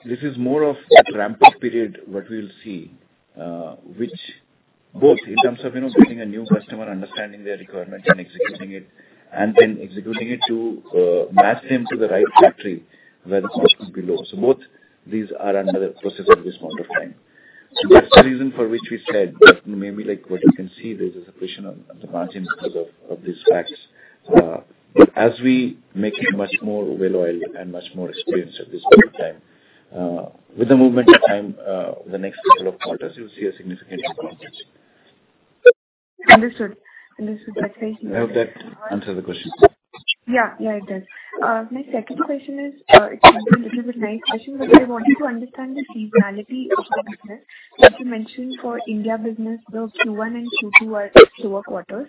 this is more of a ramp-up period, what we will see, which both in terms of getting a new customer, understanding their requirements, and executing it, and then executing it to match them to the right factory where the cost would be low. So both these are under the process at this point of time. So that's the reason for which we said that maybe what you can see there is a separation of the margin because of these facts. As we make it much more well-oiled and much more experienced at this point of time, with the movement of time, the next couple of quarters, you'll see a significant improvement. Understood. Understood. That's very clear. I hope that answers the question. Yeah. Yeah, it does. My second question is, it's going to be a little bit nice question, but I wanted to understand the seasonality of the business. As you mentioned, for India business, those Q1 and Q2 are slower quarters.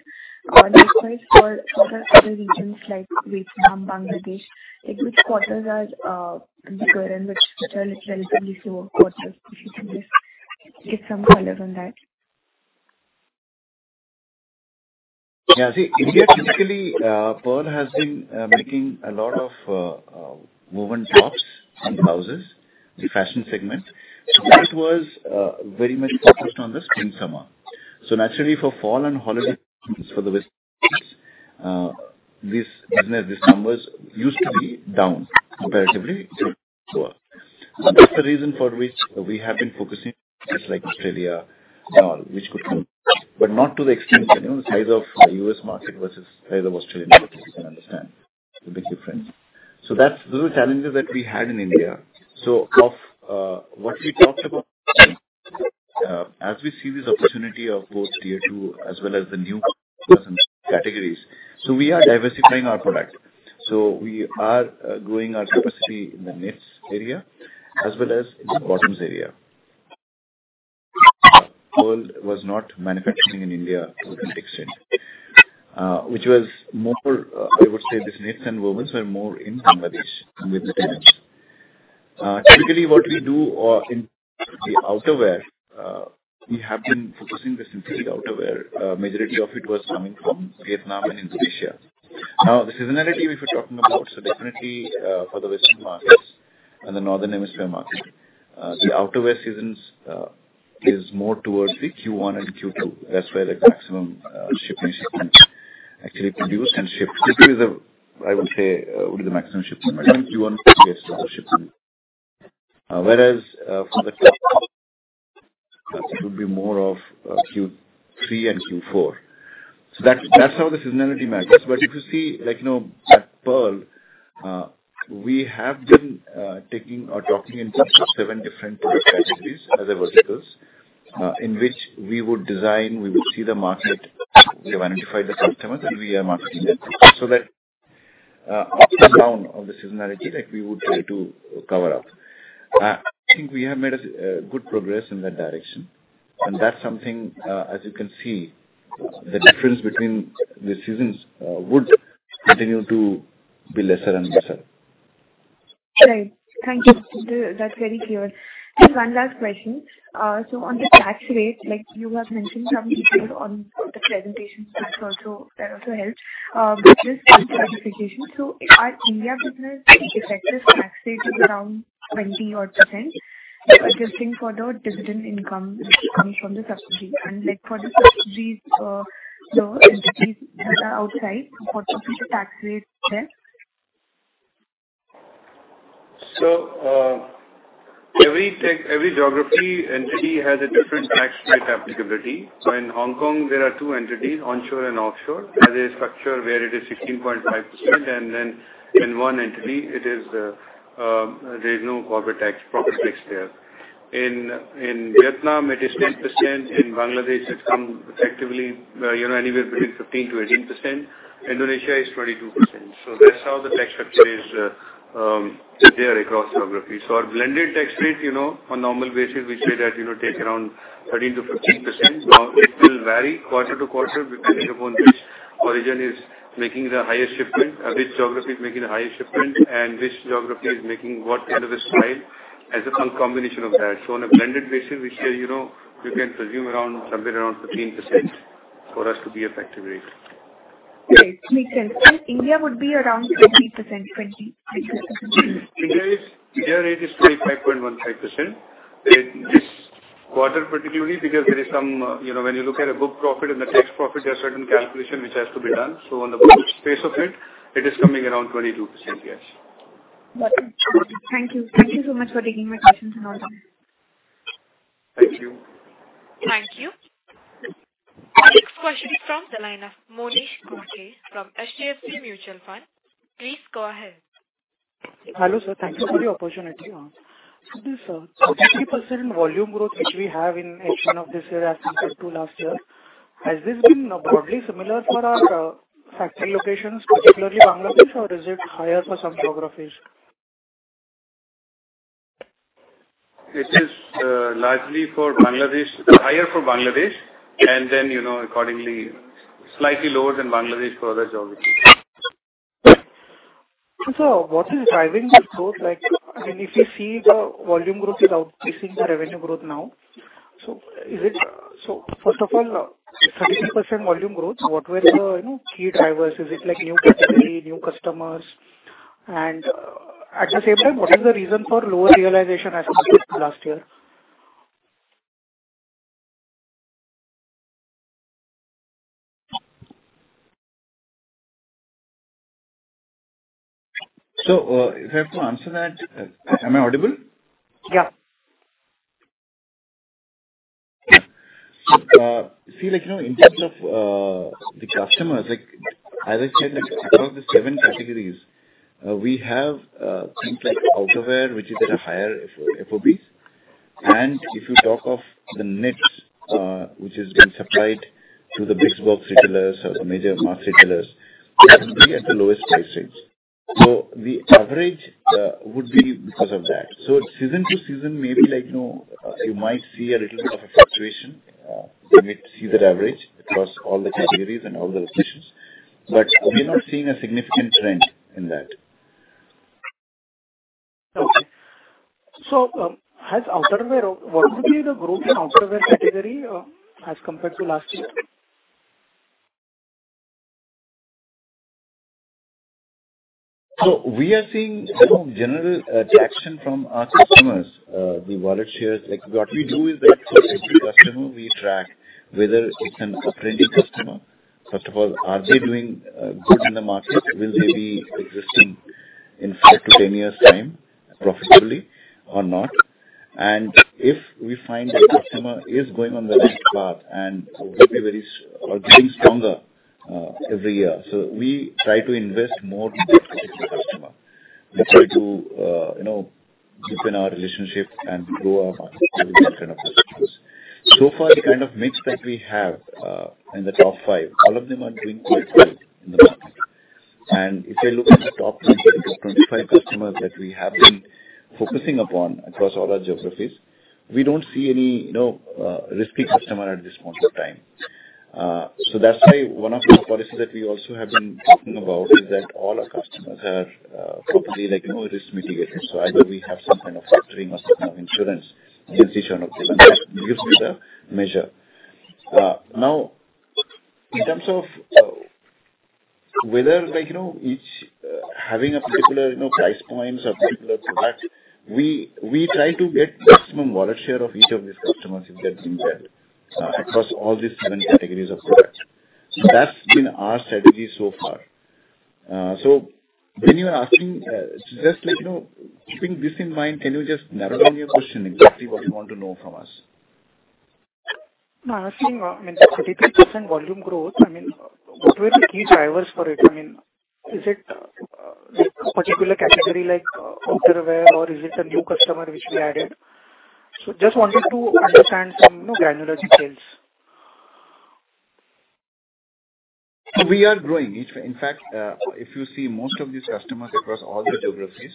Likewise, for other regions like Vietnam, Bangladesh, which quarters are weaker and which are relatively slower quarters, if you can just get some color on that? Yeah. See, India typically, Pearl has been making a lot of woven tops and blouses, the fashion segment. So that was very much focused on the spring-summer. So naturally, for fall and holiday seasons for the western regions, these numbers used to be down comparatively to lower. So that's the reason for which we have been focusing on places like Australia and all, which could come, but not to the extent the size of the U.S. market versus the size of the Australian market, as you can understand, the big difference. So those are challenges that we had in India. So of what we talked about, as we see this opportunity of both tier two as well as the new categories, so we are diversifying our product. So we are growing our capacity in the knits area as well as in the bottoms area. Pearl was not manufacturing in India to a great extent, which was more, I would say, these knits and wovens were more in Bangladesh with the knits. Typically, what we do in the outerwear, we have been focusing this in the outerwear. Majority of it was coming from Vietnam and Indonesia. Now, the seasonality, if we're talking about, so definitely for the western markets and the northern hemisphere market, the outerwear seasons is more towards the Q1 and Q2. That's where the maximum shipping is actually produced and shipped. Q2 is, I would say, would be the maximum shipping margin. Q1 is the shipping. Whereas for the Q2, it would be more of Q3 and Q4. So that's how the seasonality matters. But if you see, like Pearl, we have been taking or talking in seven different categories as the verticals in which we would design, we would see the market, we have identified the customers, and we are marketing them. So that up and down of the seasonality, we would try to cover up. I think we have made good progress in that direction. And that's something, as you can see, the difference between the seasons would continue to be lesser and lesser. Right. Thank you. That's very clear. Just one last question. So on the tax rate, you have mentioned some details on the presentation. That also helps. Business classification. So are India business effective tax rates around 20%? I just think for the dividend income coming from the subsidiaries. And for the subsidiaries for entities that are outside, what would be the tax rate there? Every geography entity has a different tax rate applicability. In Hong Kong, there are two entities, onshore and offshore, as a structure where it is 16.5%, and then in one entity, there is no corporate tax proper tax there. In Vietnam, it is 10%. In Bangladesh, it comes effectively anywhere between 15%-18%. Indonesia is 22%. That's how the tax structure is there across geographies. Our blended tax rate, on normal basis, we say that takes around 13%-15%. Now, it will vary quarter to quarter. We can think about which origin is making the highest shipment, which geography is making the highest shipment, and which geography is making what kind of a style as a combination of that. On a blended basis, we say we can presume somewhere around 15% for us to be effective rate. Great. Makes sense. India would be around 20%, 20%. India rate is 25.15%. This quarter, particularly, because there is some when you look at a book profit and the tax profit, there's certain calculation which has to be done. So on the book base of it, it is coming around 22%, yes. Got it. Thank you. Thank you so much for taking my questions and all that. Thank you. Thank you. Next question is from the line of Monish Ghodke from HDFC Mutual Fund. Please go ahead. Hello, sir. Thank you for the opportunity. So the 50% volume growth which we have in H1 of this year as compared to last year, has this been broadly similar for our factory locations, particularly Bangladesh, or is it higher for some geographies? It is largely for Bangladesh, higher for Bangladesh, and then accordingly, slightly lower than Bangladesh for other geographies. What is driving the growth? I mean, if you see the volume growth is outpacing the revenue growth now. First of all, 32% volume growth, what were the key drivers? Is it new company, new customers? And at the same time, what is the reason for lower realization as compared to last year? So if I have to answer that, am I audible? Yeah. Yeah. See, in terms of the customers, as I said, across the seven categories, we have things like outerwear, which is at a higher FOBs. And if you talk of the knits, which is being supplied to the big box retailers or the major mass retailers, that would be at the lowest price range. So the average would be because of that. So season to season, maybe you might see a little bit of a fluctuation. You may see that average across all the categories and all the locations. But we're not seeing a significant trend in that. Okay. So has Outerwear what would be the growth in Outerwear category as compared to last year? So we are seeing general attraction from our customers, the wallet shares. What we do is that for every customer, we track whether it's an uptrending customer. First of all, are they doing good in the market? Will they be existing in five to 10 years' time profitably or not? And if we find that customer is going on the right path and will be very or getting stronger every year, so we try to invest more in that particular customer. We try to deepen our relationship and grow our market through that kind of customers. So far, the kind of mix that we have in the top five, all of them are doing quite well in the market, and if you look at the top 20-25 customers that we have been focusing upon across all our geographies, we don't see any risky customer at this point of time, so that's why one of the policies that we also have been talking about is that all our customers are properly risk mitigated, so either we have some kind of factoring or some kind of insurance against each one of them. That gives us a measure. Now, in terms of whether each having a particular price point or particular product, we try to get maximum wallet share of each of these customers if they're being dealt across all these seven categories of products. That's been our strategy so far. So when you are asking, just keeping this in mind, can you just narrow down your question and see what you want to know from us? I see. I mean, 33% volume growth. I mean, what were the key drivers for it? I mean, is it a particular category like outerwear, or is it a new customer which we added, so just wanted to understand some granular details. We are growing. In fact, if you see, most of these customers across all the geographies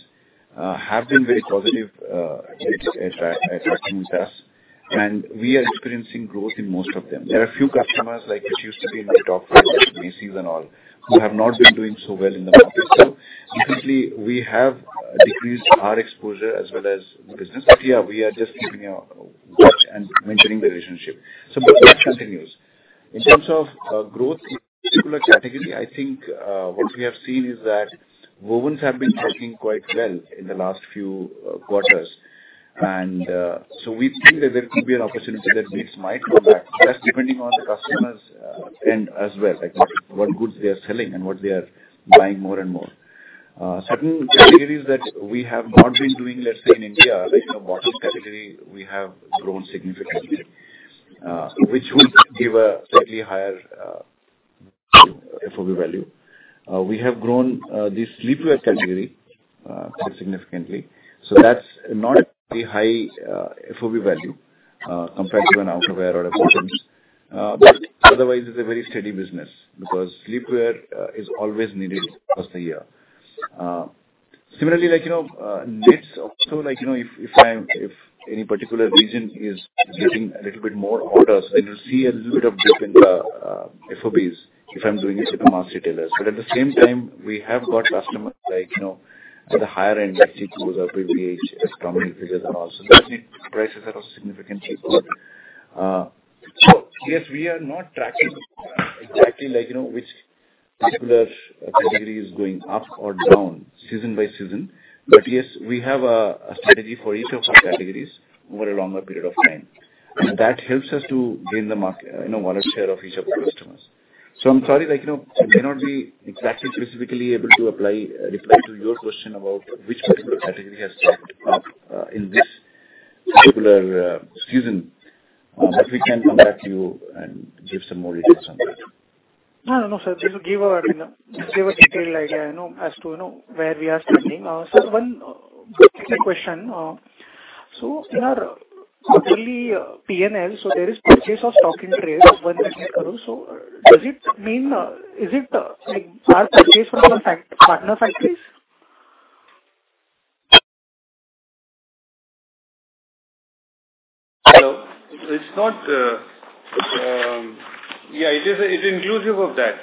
have been very positive at working with us, and we are experiencing growth in most of them. There are a few customers which used to be in the top five, Macy's and all, who have not been doing so well in the market, so definitely, we have decreased our exposure as well as the business. But yeah, we are just keeping our watch and maintaining the relationship. That continues. In terms of growth in a particular category, I think what we have seen is that wovens have been working quite well in the last few quarters. We think that there could be an opportunity that knits might come back, just depending on the customers' end as well, what goods they are selling and what they are buying more and more. Certain categories that we have not been doing, let's say, in India, like bottoms category, we have grown significantly, which would give a slightly higher FOB value. We have grown this sleepwear category quite significantly. That's not a high FOB value compared to an outerwear or a bottoms. Otherwise, it's a very steady business because sleepwear is always needed across the year. Similarly, knits also, if any particular region is getting a little bit more orders, then you'll see a little bit of dip in the FOBs if I'm doing it with the mass retailers, but at the same time, we have got customers at the higher end, like Sea Chico's, PVH, Tommy Hilfiger and all, so those knit prices are also significantly good, so yes, we are not tracking exactly which particular category is going up or down season by season, but yes, we have a strategy for each of our categories over a longer period of time, and that helps us to gain the market wallet share of each of our customers, so I'm sorry, I may not be exactly specifically able to reply to your question about which particular category has stepped up in this particular season. But we can come back to you and give some more details on that. No, no, no, sir. This will give a detailed idea as to where we are standing. So one quick question. So in our early P&L, so there is purchase of stock in trade, one thing you can do. So does it mean is it our purchase from our partner factories? Hello? It's not. Yeah, it is inclusive of that.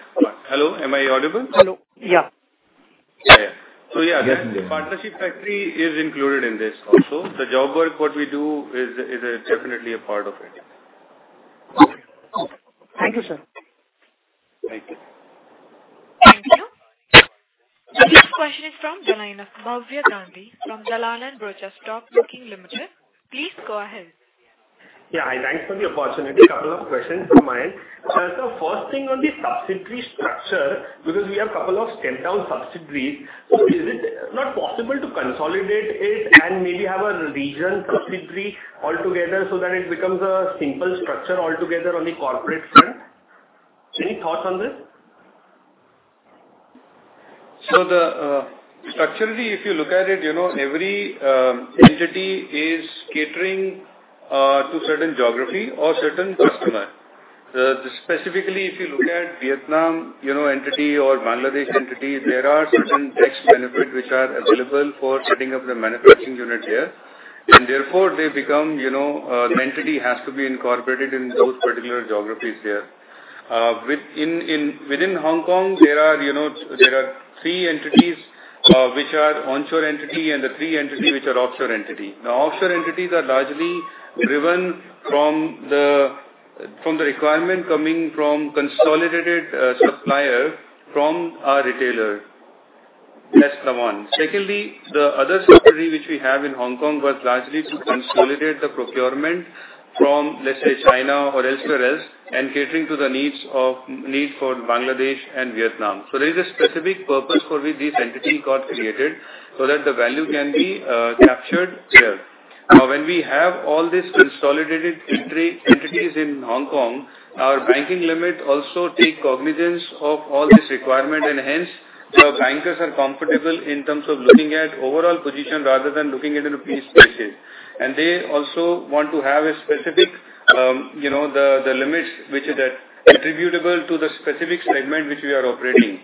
Hello? Am I audible? Hello. Yeah. Yeah, yeah. So yeah, the partnership factory is included in this also. The job work, what we do, is definitely a part of it. Okay. Thank you, sir. Thank you. Thank you. Next question is from the line of Bhavya Gandhi from Dalal & Broacha Stock Broking Limited. Please go ahead. Yeah. I thank you for the opportunity. A couple of questions from my end. So first thing on the subsidiary structure, because we have a couple of step-down subsidiaries, so is it not possible to consolidate it and maybe have a regional subsidiary altogether so that it becomes a simple structure altogether on the corporate front? Any thoughts on this? So structurally, if you look at it, every entity is catering to a certain geography or a certain customer. Specifically, if you look at the Vietnam entity or Bangladesh entity, there are certain tax benefits which are available for setting up the manufacturing unit there. And therefore, they become the entity has to be incorporated in those particular geographies there. Within Hong Kong, there are three entities which are onshore entity and the three entities which are offshore entity. Now, offshore entities are largely driven from the requirement coming from consolidated supplier from our retailer, that's the one. Secondly, the other subsidiary which we have in Hong Kong was largely to consolidate the procurement from, let's say, China or elsewhere and catering to the needs for Bangladesh and Vietnam. So there is a specific purpose for which these entities got created so that the value can be captured there. Now, when we have all these consolidated entities in Hong Kong, our banking limit also takes cognizance of all this requirement, and hence, the bankers are comfortable in terms of looking at overall position rather than looking at a piece basis, and they also want to have specific limits which are attributable to the specific segment which we are operating.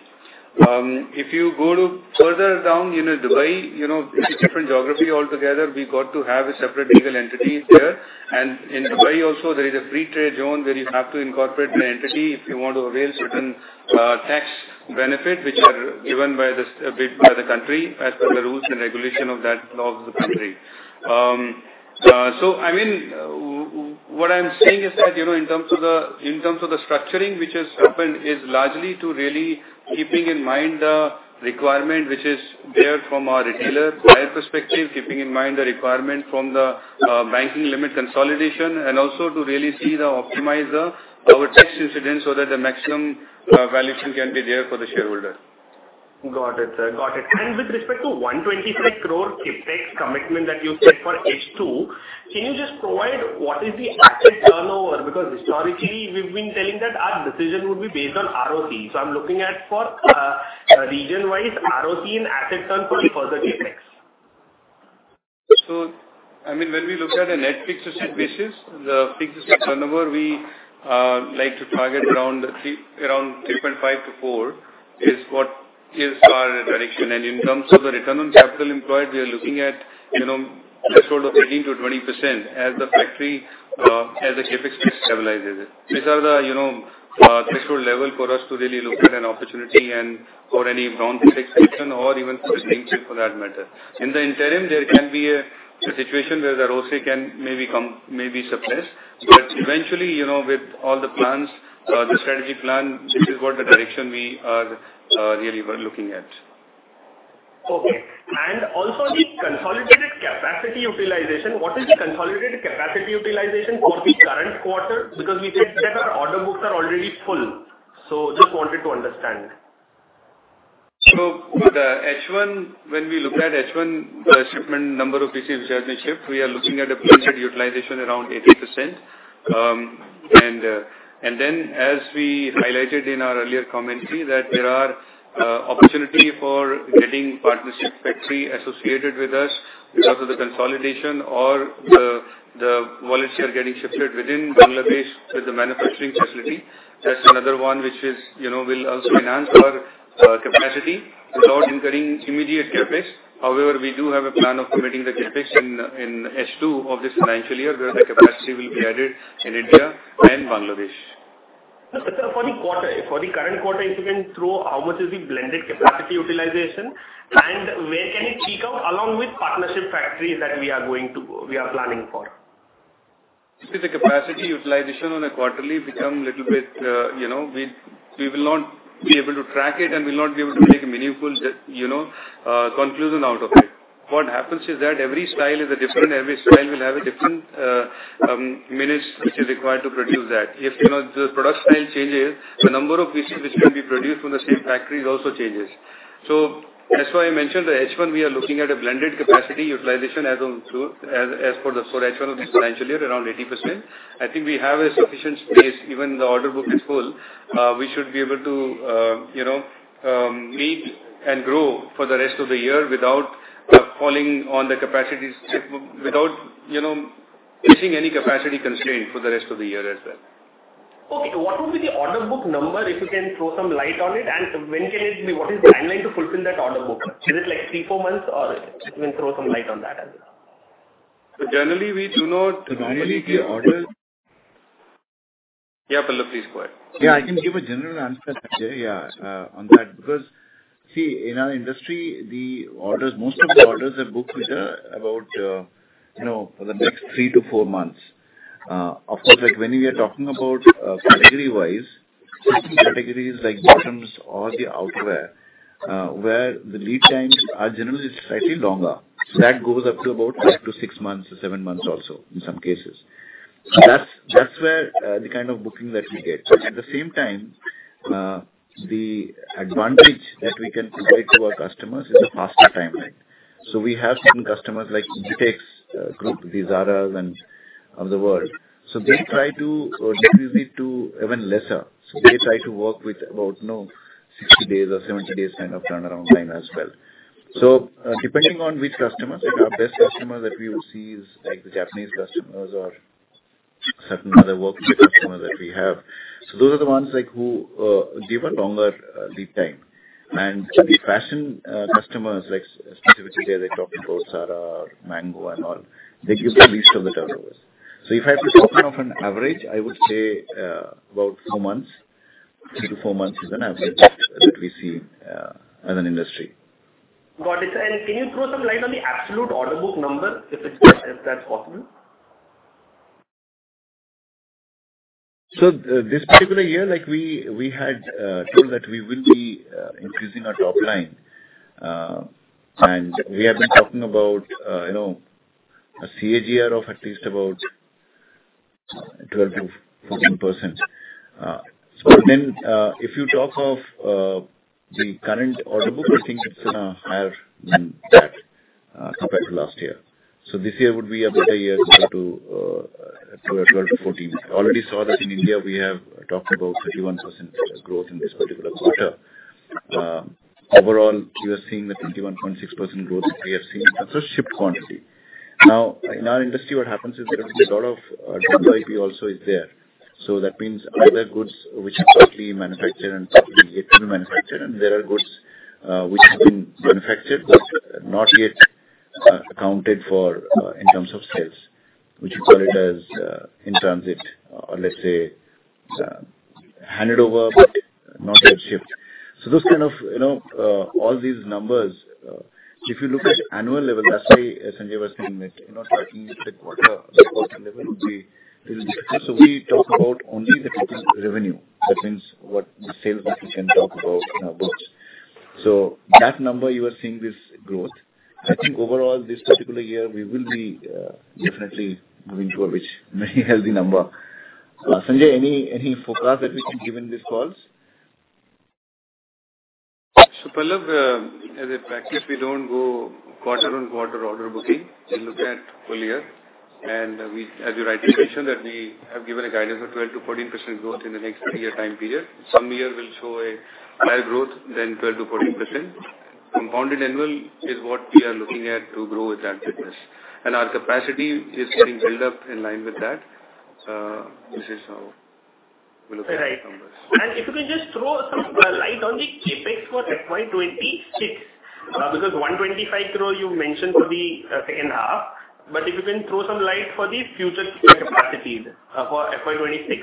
If you go further down, Dubai, it's a different geography altogether. We got to have a separate legal entity there. In Dubai also, there is a free trade zone where you have to incorporate the entity if you want to avail certain tax benefits which are given by the country as per the rules and regulation of that law of the country. So I mean, what I'm saying is that in terms of the structuring which has happened is largely to really keeping in mind the requirement which is there from our retailer side perspective, keeping in mind the requirement from the banking limit consolidation, and also to really see the optimize our tax incidence so that the maximum valuation can be there for the shareholder. Got it. Got it. With respect to 125 crore CapEx commitment that you said for H2, can you just provide what is the asset turnover? Because historically, we've been telling that our decision would be based on ROC. I'm looking at, for region-wise, ROC and asset turnover for the future CapEx. So I mean, when we look at a net fixed asset basis, the fixed asset turnover, we like to target around 3.5-4, which is our direction. And in terms of the return on capital employed, we are looking at a threshold of 18%-20% as the factories, as the CapEx stabilizes it. These are the threshold level for us to really look at an opportunity and for any non-CapEx decision or even for the things for that matter. In the interim, there can be a situation where the ROC can maybe suppress. But eventually, with all the plans, the strategy plan, this is what the direction we are really looking at. Okay. And also the consolidated capacity utilization, what is the consolidated capacity utilization for the current quarter? Because we said that our order books are already full. So just wanted to understand. So when we looked at H1, the shipment number of pieces which has been shipped, we are looking at 80% utilization around 80%. And then, as we highlighted in our earlier commentary, that there are opportunities for getting partnership factory associated with us because of the consolidation or the wallets that are going to be shifted within Bangladesh with the manufacturing facility. That's another one which will also enhance our capacity without incurring immediate CapEx. However, we do have a plan of committing the CapEx in H2 of this financial year where the capacity will be added in India and Bangladesh. For the current quarter, if you can throw how much is the blended capacity utilization and where can it peak out along with partnership factories that we are planning for? If the capacity utilization on a quarterly becomes a little bit, we will not be able to track it and we will not be able to make a meaningful conclusion out of it. What happens is that every style is a different. Every style will have a different minutes which is required to produce that. If the product style changes, the number of pieces which can be produced from the same factory also changes. So that's why I mentioned the H1. We are looking at a blended capacity utilization as for the H1 of this financial year, around 80%. I think we have a sufficient space. Even the order book is full. We should be able to meet and grow for the rest of the year without falling on the capacity without facing any capacity constraint for the rest of the year as well. Okay. What would be the order book number if you can throw some light on it? And when can it be? What is the timeline to fulfill that order book? Is it like three, four months or even throw some light on that as well? Pallab, please go ahead. Yeah, I can give a general answer on that because see, in our industry, most of the orders are booked with about for the next three to four months. Of course, when we are talking about category-wise, categories like bottoms or the outerwear where the lead times are generally slightly longer. So that goes up to about five to six months or seven months also in some cases. So that's where the kind of booking that we get. At the same time, the advantage that we can provide to our customers is a faster timeline, so we have some customers like Inditex, Zara, and others of the world, so they try to reduce it to even lesser, so they try to work with about 60 days or 70 days kind of turnaround time as well, so depending on which customers, our best customer that we would see is the Japanese customers or certain other working customers that we have, so those are the ones who give a longer lead time, and fashion customers, specifically there they talk about Zara or Mango and all, they give the least of the turnovers, so if I have to talk on average, I would say about four months, three to four months is an average that we see as an industry. Got it. Can you throw some light on the absolute order book number if that's possible? This particular year, we had told that we will be increasing our top line. We have been talking about a CAGR of at least about 12%-14%. If you talk of the current order book, I think it's going to be higher that compared to last year. This year would be a better year to go to 12%-14%. We already saw that in India, we have talked about 31% growth in this particular quarter. Overall, you are seeing the 31.6% growth we have seen for ship quantity. In our industry, what happens is there's a lot of WIP also is there. So that means either goods which are partly manufactured and partly yet to be manufactured, and there are goods which have been manufactured but not yet accounted for in terms of sales, which we call it as in transit or let's say handed over, not yet shipped. So those kind of all these numbers, if you look at the annual level, lastly, Sanjay was saying that talking the quarter level would be a little difficult. So we talk about only the revenue. That means what the sales that we can talk about in our books. So that number, you are seeing this growth. I think overall, this particular year, we will be definitely moving toward which many healthy number. Sanjay, any forecast that we can give in these calls? So Pallab, as a practice, we don't go quarter on quarter order booking. We look at full year. And as you rightly mentioned, that we have given a guidance of 12%-14% growth in the next three-year time period. Some year will show a higher growth than 12%-14%. Compounded annual is what we are looking at to grow with that business. And our capacity is being built up in line with that. This is how we look at the numbers. And if you can just throw some light on the CapEx for FY 2026 because 125 crore, you mentioned for the second half. But if you can throw some light for the future capacity for FY 2026.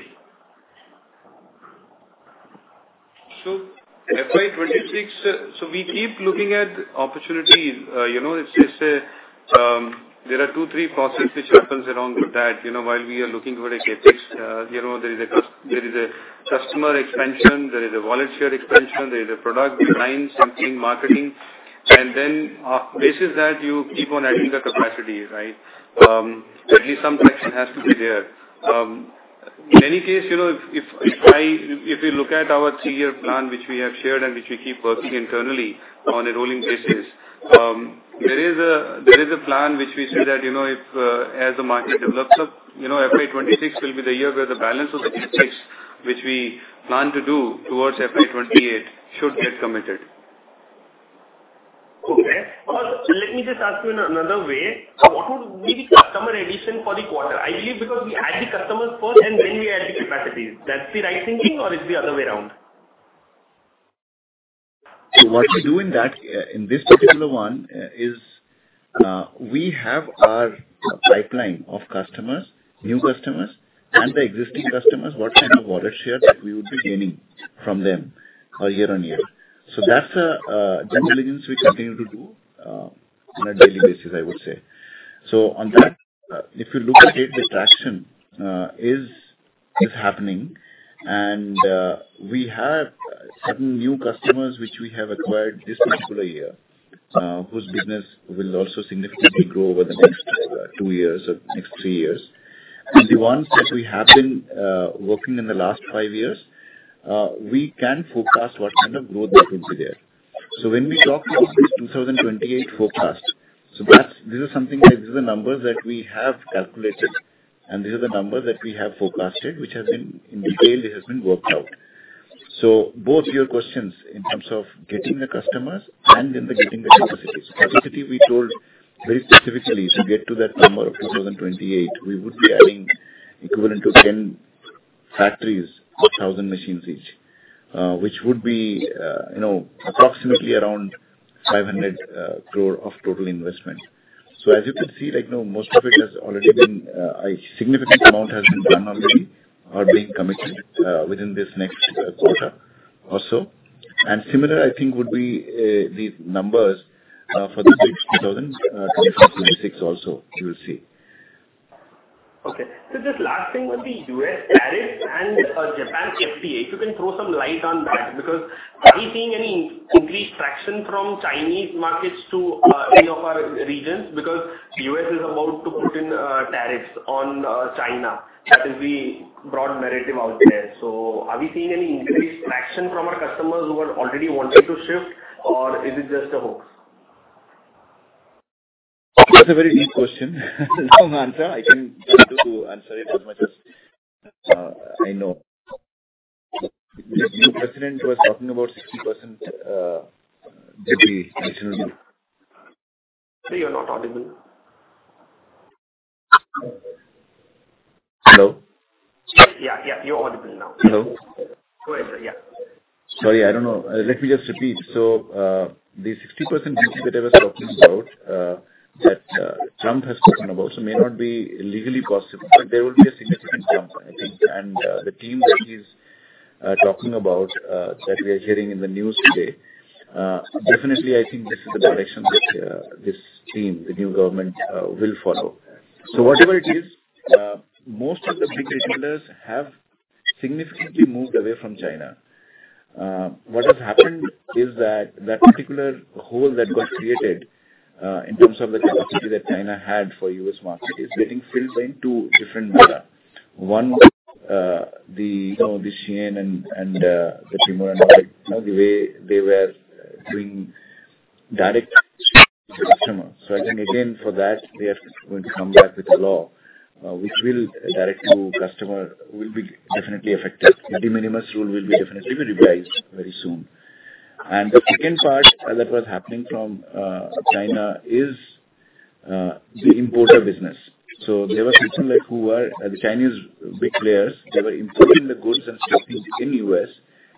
So FY 2026, so we keep looking at opportunities. It's a there are two, three processes which happens around that. While we are looking for a CapEx, there is a customer expansion, there is a vertical expansion, there is a product design, something marketing. And then based on that you keep on adding the capacity, right? At least some section has to be there. In any case, if we look at our three-year plan, which we have shared and which we keep working internally on a rolling basis, there is a plan which we see that if, as the market develops, FY 2026 will be the year where the balance of the CapEx which we plan to do toward FY 2028 should get committed. Okay. Let me just ask you in another way. So what would be the customer addition for the quarter? I believe because we add the customers first and then we add the capacity. That's the right thinking or it's the other way around? So what we do in that, in this particular one, is we have our pipeline of customers, new customers, and the existing customers, what kind of wallet share that we would be gaining from them year on year. So that's the intelligence we continue to do on a daily basis, I would say. So on that, if you look at it, the traction is happening. And we have certain new customers which we have acquired this particular year whose business will also significantly grow over the next two years or next three years. And the ones that we have been working in the last five years, we can forecast what kind of growth that would be there. So when we talk about this 2028 forecast, so this is something that these are the numbers that we have calculated, and these are the numbers that we have forecasted, which have been in detail. It has been worked out. So both your questions in terms of getting the customers and in getting the capacity. So capacity, we told very specifically to get to that number of 2028, we would be adding equivalent to 10 factories, 1,000 machines each, which would be approximately around 500 crore of total investment. So as you can see, most of it has already been a significant amount has been done already or being committed within this next quarter or so. And similar, I think, would be the numbers for the 2024-2026 also, you will see. Okay. So just last thing on the U.S. tariffs and Japan FTA, if you can throw some light on that, because are we seeing any increased traction from Chinese markets to any of our regions? Because the U.S. is about to put in tariffs on China. That is the broad narrative out there. So are we seeing any increased traction from our customers who are already wanting to shift, or is it just a hoax? That's a very deep question. Long answer. I can try to answer it as much as I know. The president was talking about 60% additional. Let me just repeat. So the 60% increase that I was talking about that Trump has spoken about may not be legally possible, but there will be a significant jump, I think. The team that he's talking about that we are hearing in the news today, definitely, I think this is the direction that this team, the new government, will follow. So whatever it is, most of the big retailers have significantly moved away from China. What has happened is that that particular hole that got created in terms of the capacity that China had for U.S. market is getting filled in two different manners. One, the Shein and the Temu and the way they were doing direct to customers. So I think, again, for that, they are going to come back with a law which will direct to customer will be definitely affected. The de minimis rule will be definitely revised very soon. And the second part that was happening from China is the importer business. So there were people who were the Chinese big players. They were importing the goods and stuff in the U.S.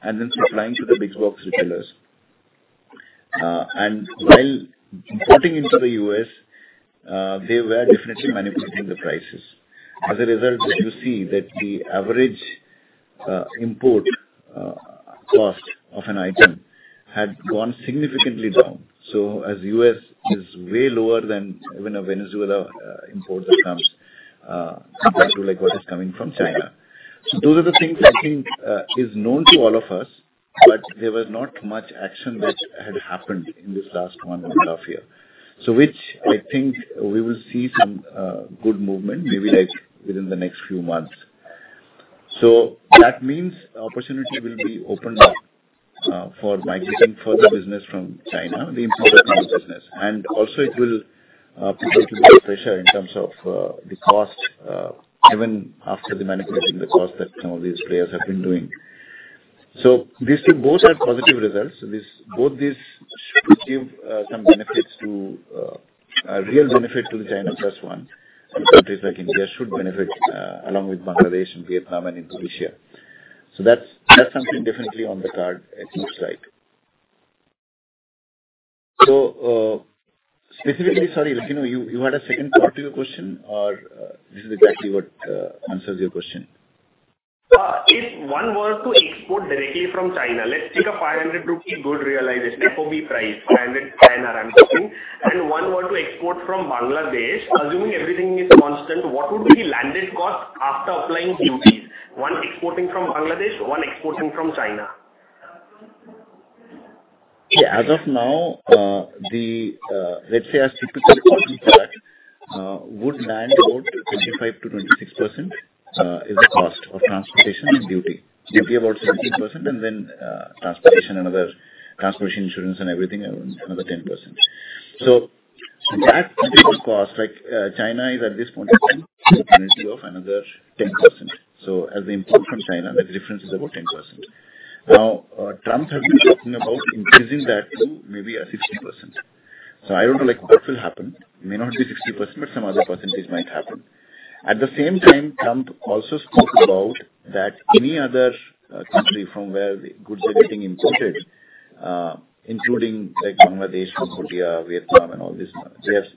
and then supplying to the big box retailers, and while importing into the U.S., they were definitely manipulating the prices. As a result, you see that the average import cost of an item had gone significantly down, so as U.S. is way lower than even a Venezuela import that comes compared to what is coming from China. Those are the things I think is known to all of us, but there was not much action that had happened in this last one and a half year, so which I think we will see some good movement maybe within the next few months. That means opportunity will be opened up for migrating further business from China, the importer from the business. Also, it will put into the pressure in terms of the cost, even after the manipulating the cost that some of these players have been doing. These two both are positive results. Both these should give some benefits to a real benefit to the China Plus One. Countries like India should benefit along with Bangladesh and Vietnam and Indonesia. That's something definitely on the card it looks like. Specifically, sorry, you had a second part to your question, or this is exactly what answers your question? If one were to export directly from China, let's take a 500 rupee good realization, FOB price, 500, I'm guessing. And one were to export from Bangladesh, assuming everything is constant, what would be the landed cost after applying duties? One exporting from Bangladesh, one exporting from China? Yeah. As of now, let's say a typical transport charge would land about 25-26% is the cost of transportation and duty. Duty about 17%, and then transportation, another transportation insurance and everything, another 10%. So that additional cost, China is at this point in time, an additional of another 10%. So as we import from China, the difference is about 10%. Now, Trump has been talking about increasing that to maybe 60%. So I don't know what will happen. It may not be 60%, but some other percentage might happen. At the same time, Trump also spoke about that any other country from where the goods are getting imported, including Bangladesh, Cambodia, Vietnam, and all these.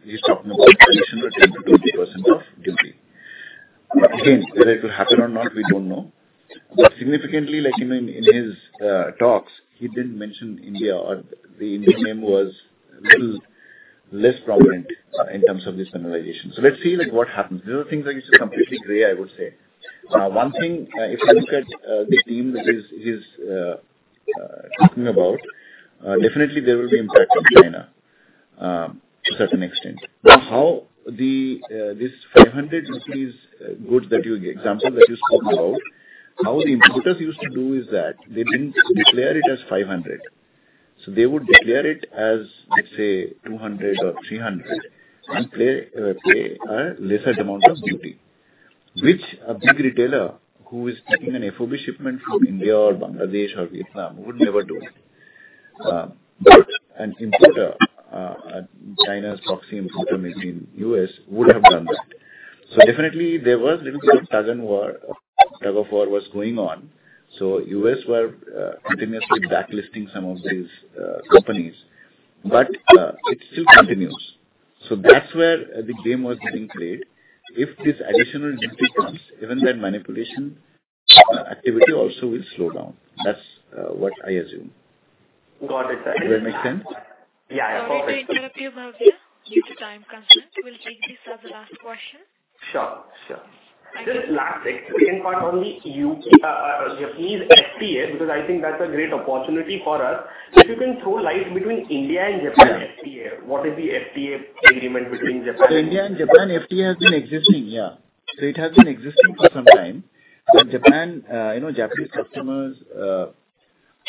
He's talking about an additional 10%-20% of duty. Again, whether it will happen or not, we don't know. But significantly, in his talks, he didn't mention India, or the Indian name was a little less prominent in terms of this penalization. So let's see what happens. These are things that are completely gray, I would say. Now, one thing, if you look at the theme that he's talking about, definitely there will be impact on China to a certain extent. Now, how this 500 rupees goods that you example that you spoke about, how the importers used to do is that they didn't declare it as 500. So they would declare it as, let's say, 200 or 300 and pay a lesser amount of duty, which a big retailer who is taking an FOB shipment from India or Bangladesh or Vietnam would never do. But an importer, China's proxy importer made in the US, would have done that. So definitely, there was a little bit of tug of war going on. So the U.S. were continuously blacklisting some of these companies, but it still continues. So that's where the game was being played. If this additional duty comes, even that manipulation activity also will slow down. That's what I assume. Got it. Does that make sense? Yeah, yeah. Perfect. Thank you very much, Bhavya. Due to time constraints, we'll take this as the last question. Sure, sure. Just last second part on the Japanese FTA because I think that's a great opportunity for us. If you can throw light on the India and Japan FTA, what is the FTA agreement between India and Japan? So India and Japan FTA has been existing, yeah. So it has been existing for some time. And Japanese customers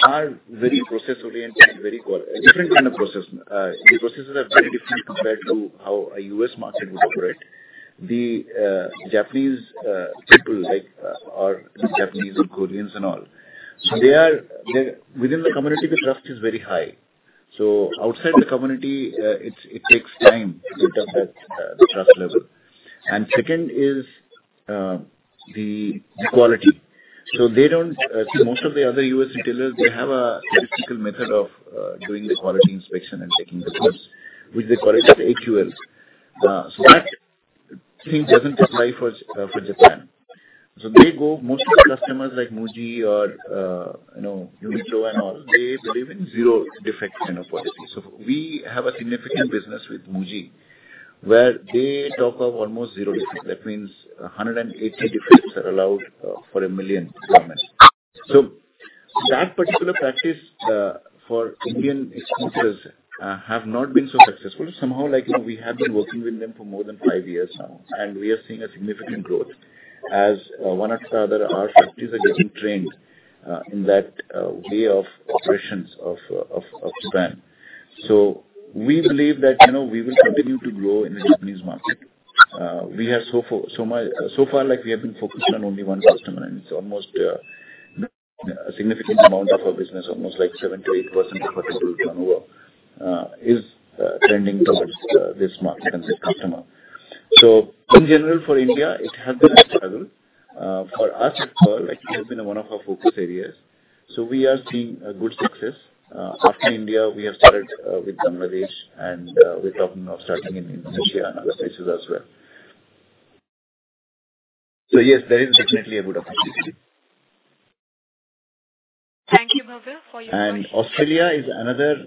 are very process-oriented, very different kind of process. The processes are very different compared to how a U.S. market would operate. The Japanese people, or Japanese and Koreans and all, so they are within the community, the trust is very high. So outside the community, it takes time to build up that trust level. And second is the quality. So they don't see most of the other U.S. retailers, they have a typical method of doing the quality inspection and taking the goods, which they call it AQL. So that thing doesn't apply for Japan. So they go most of the customers like Muji or Uniqlo and all, they believe in zero defect kind of policy. So we have a significant business with Muji where they talk of almost zero defect. That means 180 defects are allowed for a million garments. So that particular practice for Indian exporters has not been so successful. Somehow, we have been working with them for more than five years now, and we are seeing a significant growth as one after the other, our factories are getting trained in that way of operations of Japan, so we believe that we will continue to grow in the Japanese market. So far, we have been focused on only one customer, and it's almost a significant amount of our business, almost like 78% of our total turnover is trending towards this market and this customer, so in general, for India, it has been a struggle for us as well, it has been one of our focus areas, so we are seeing good success. After India, we have started with Bangladesh, and we're talking of starting in Indonesia and other places as well, so yes, there is definitely a good opportunity. Thank you, Bhavya, for your time. And Australia is another,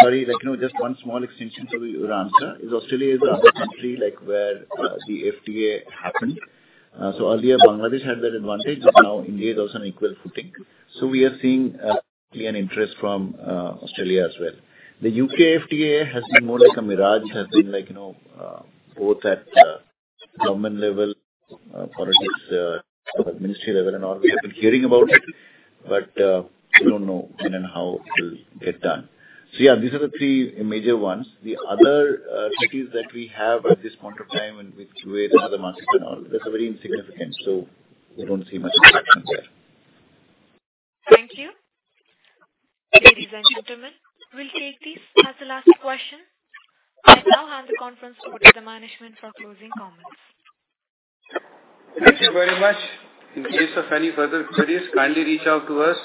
sorry, just one small extension to your answer. Australia is the other country where the FTA happened. So earlier, Bangladesh had that advantage, but now India is also on equal footing. So we are seeing an interest from Australia as well. The U.K. FTA has been more like a mirage. It has been both at government level, politics, ministry level, and all. We have been hearing about it, but we don't know when and how it will get done. So yeah, these are the three major ones. The other treaties that we have at this point of time with Kuwait and other markets and all, they're very insignificant, so we don't see much impact in there. Thank you. Ladies and gentlemen, we'll take these as the last question. I now hand the conference over to the management for closing comments. Thank you very much. In case of any further queries, kindly reach out to us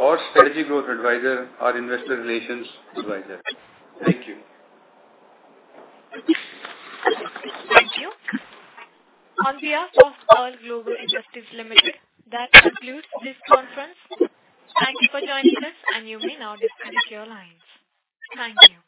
or Strategic Growth Advisors or Investor Relations Advisor. Thank you. Thank you. On behalf of Pearl Global Industries Limited, that concludes this conference. Thank you for joining us, and you may now disconnect your lines. Thank you.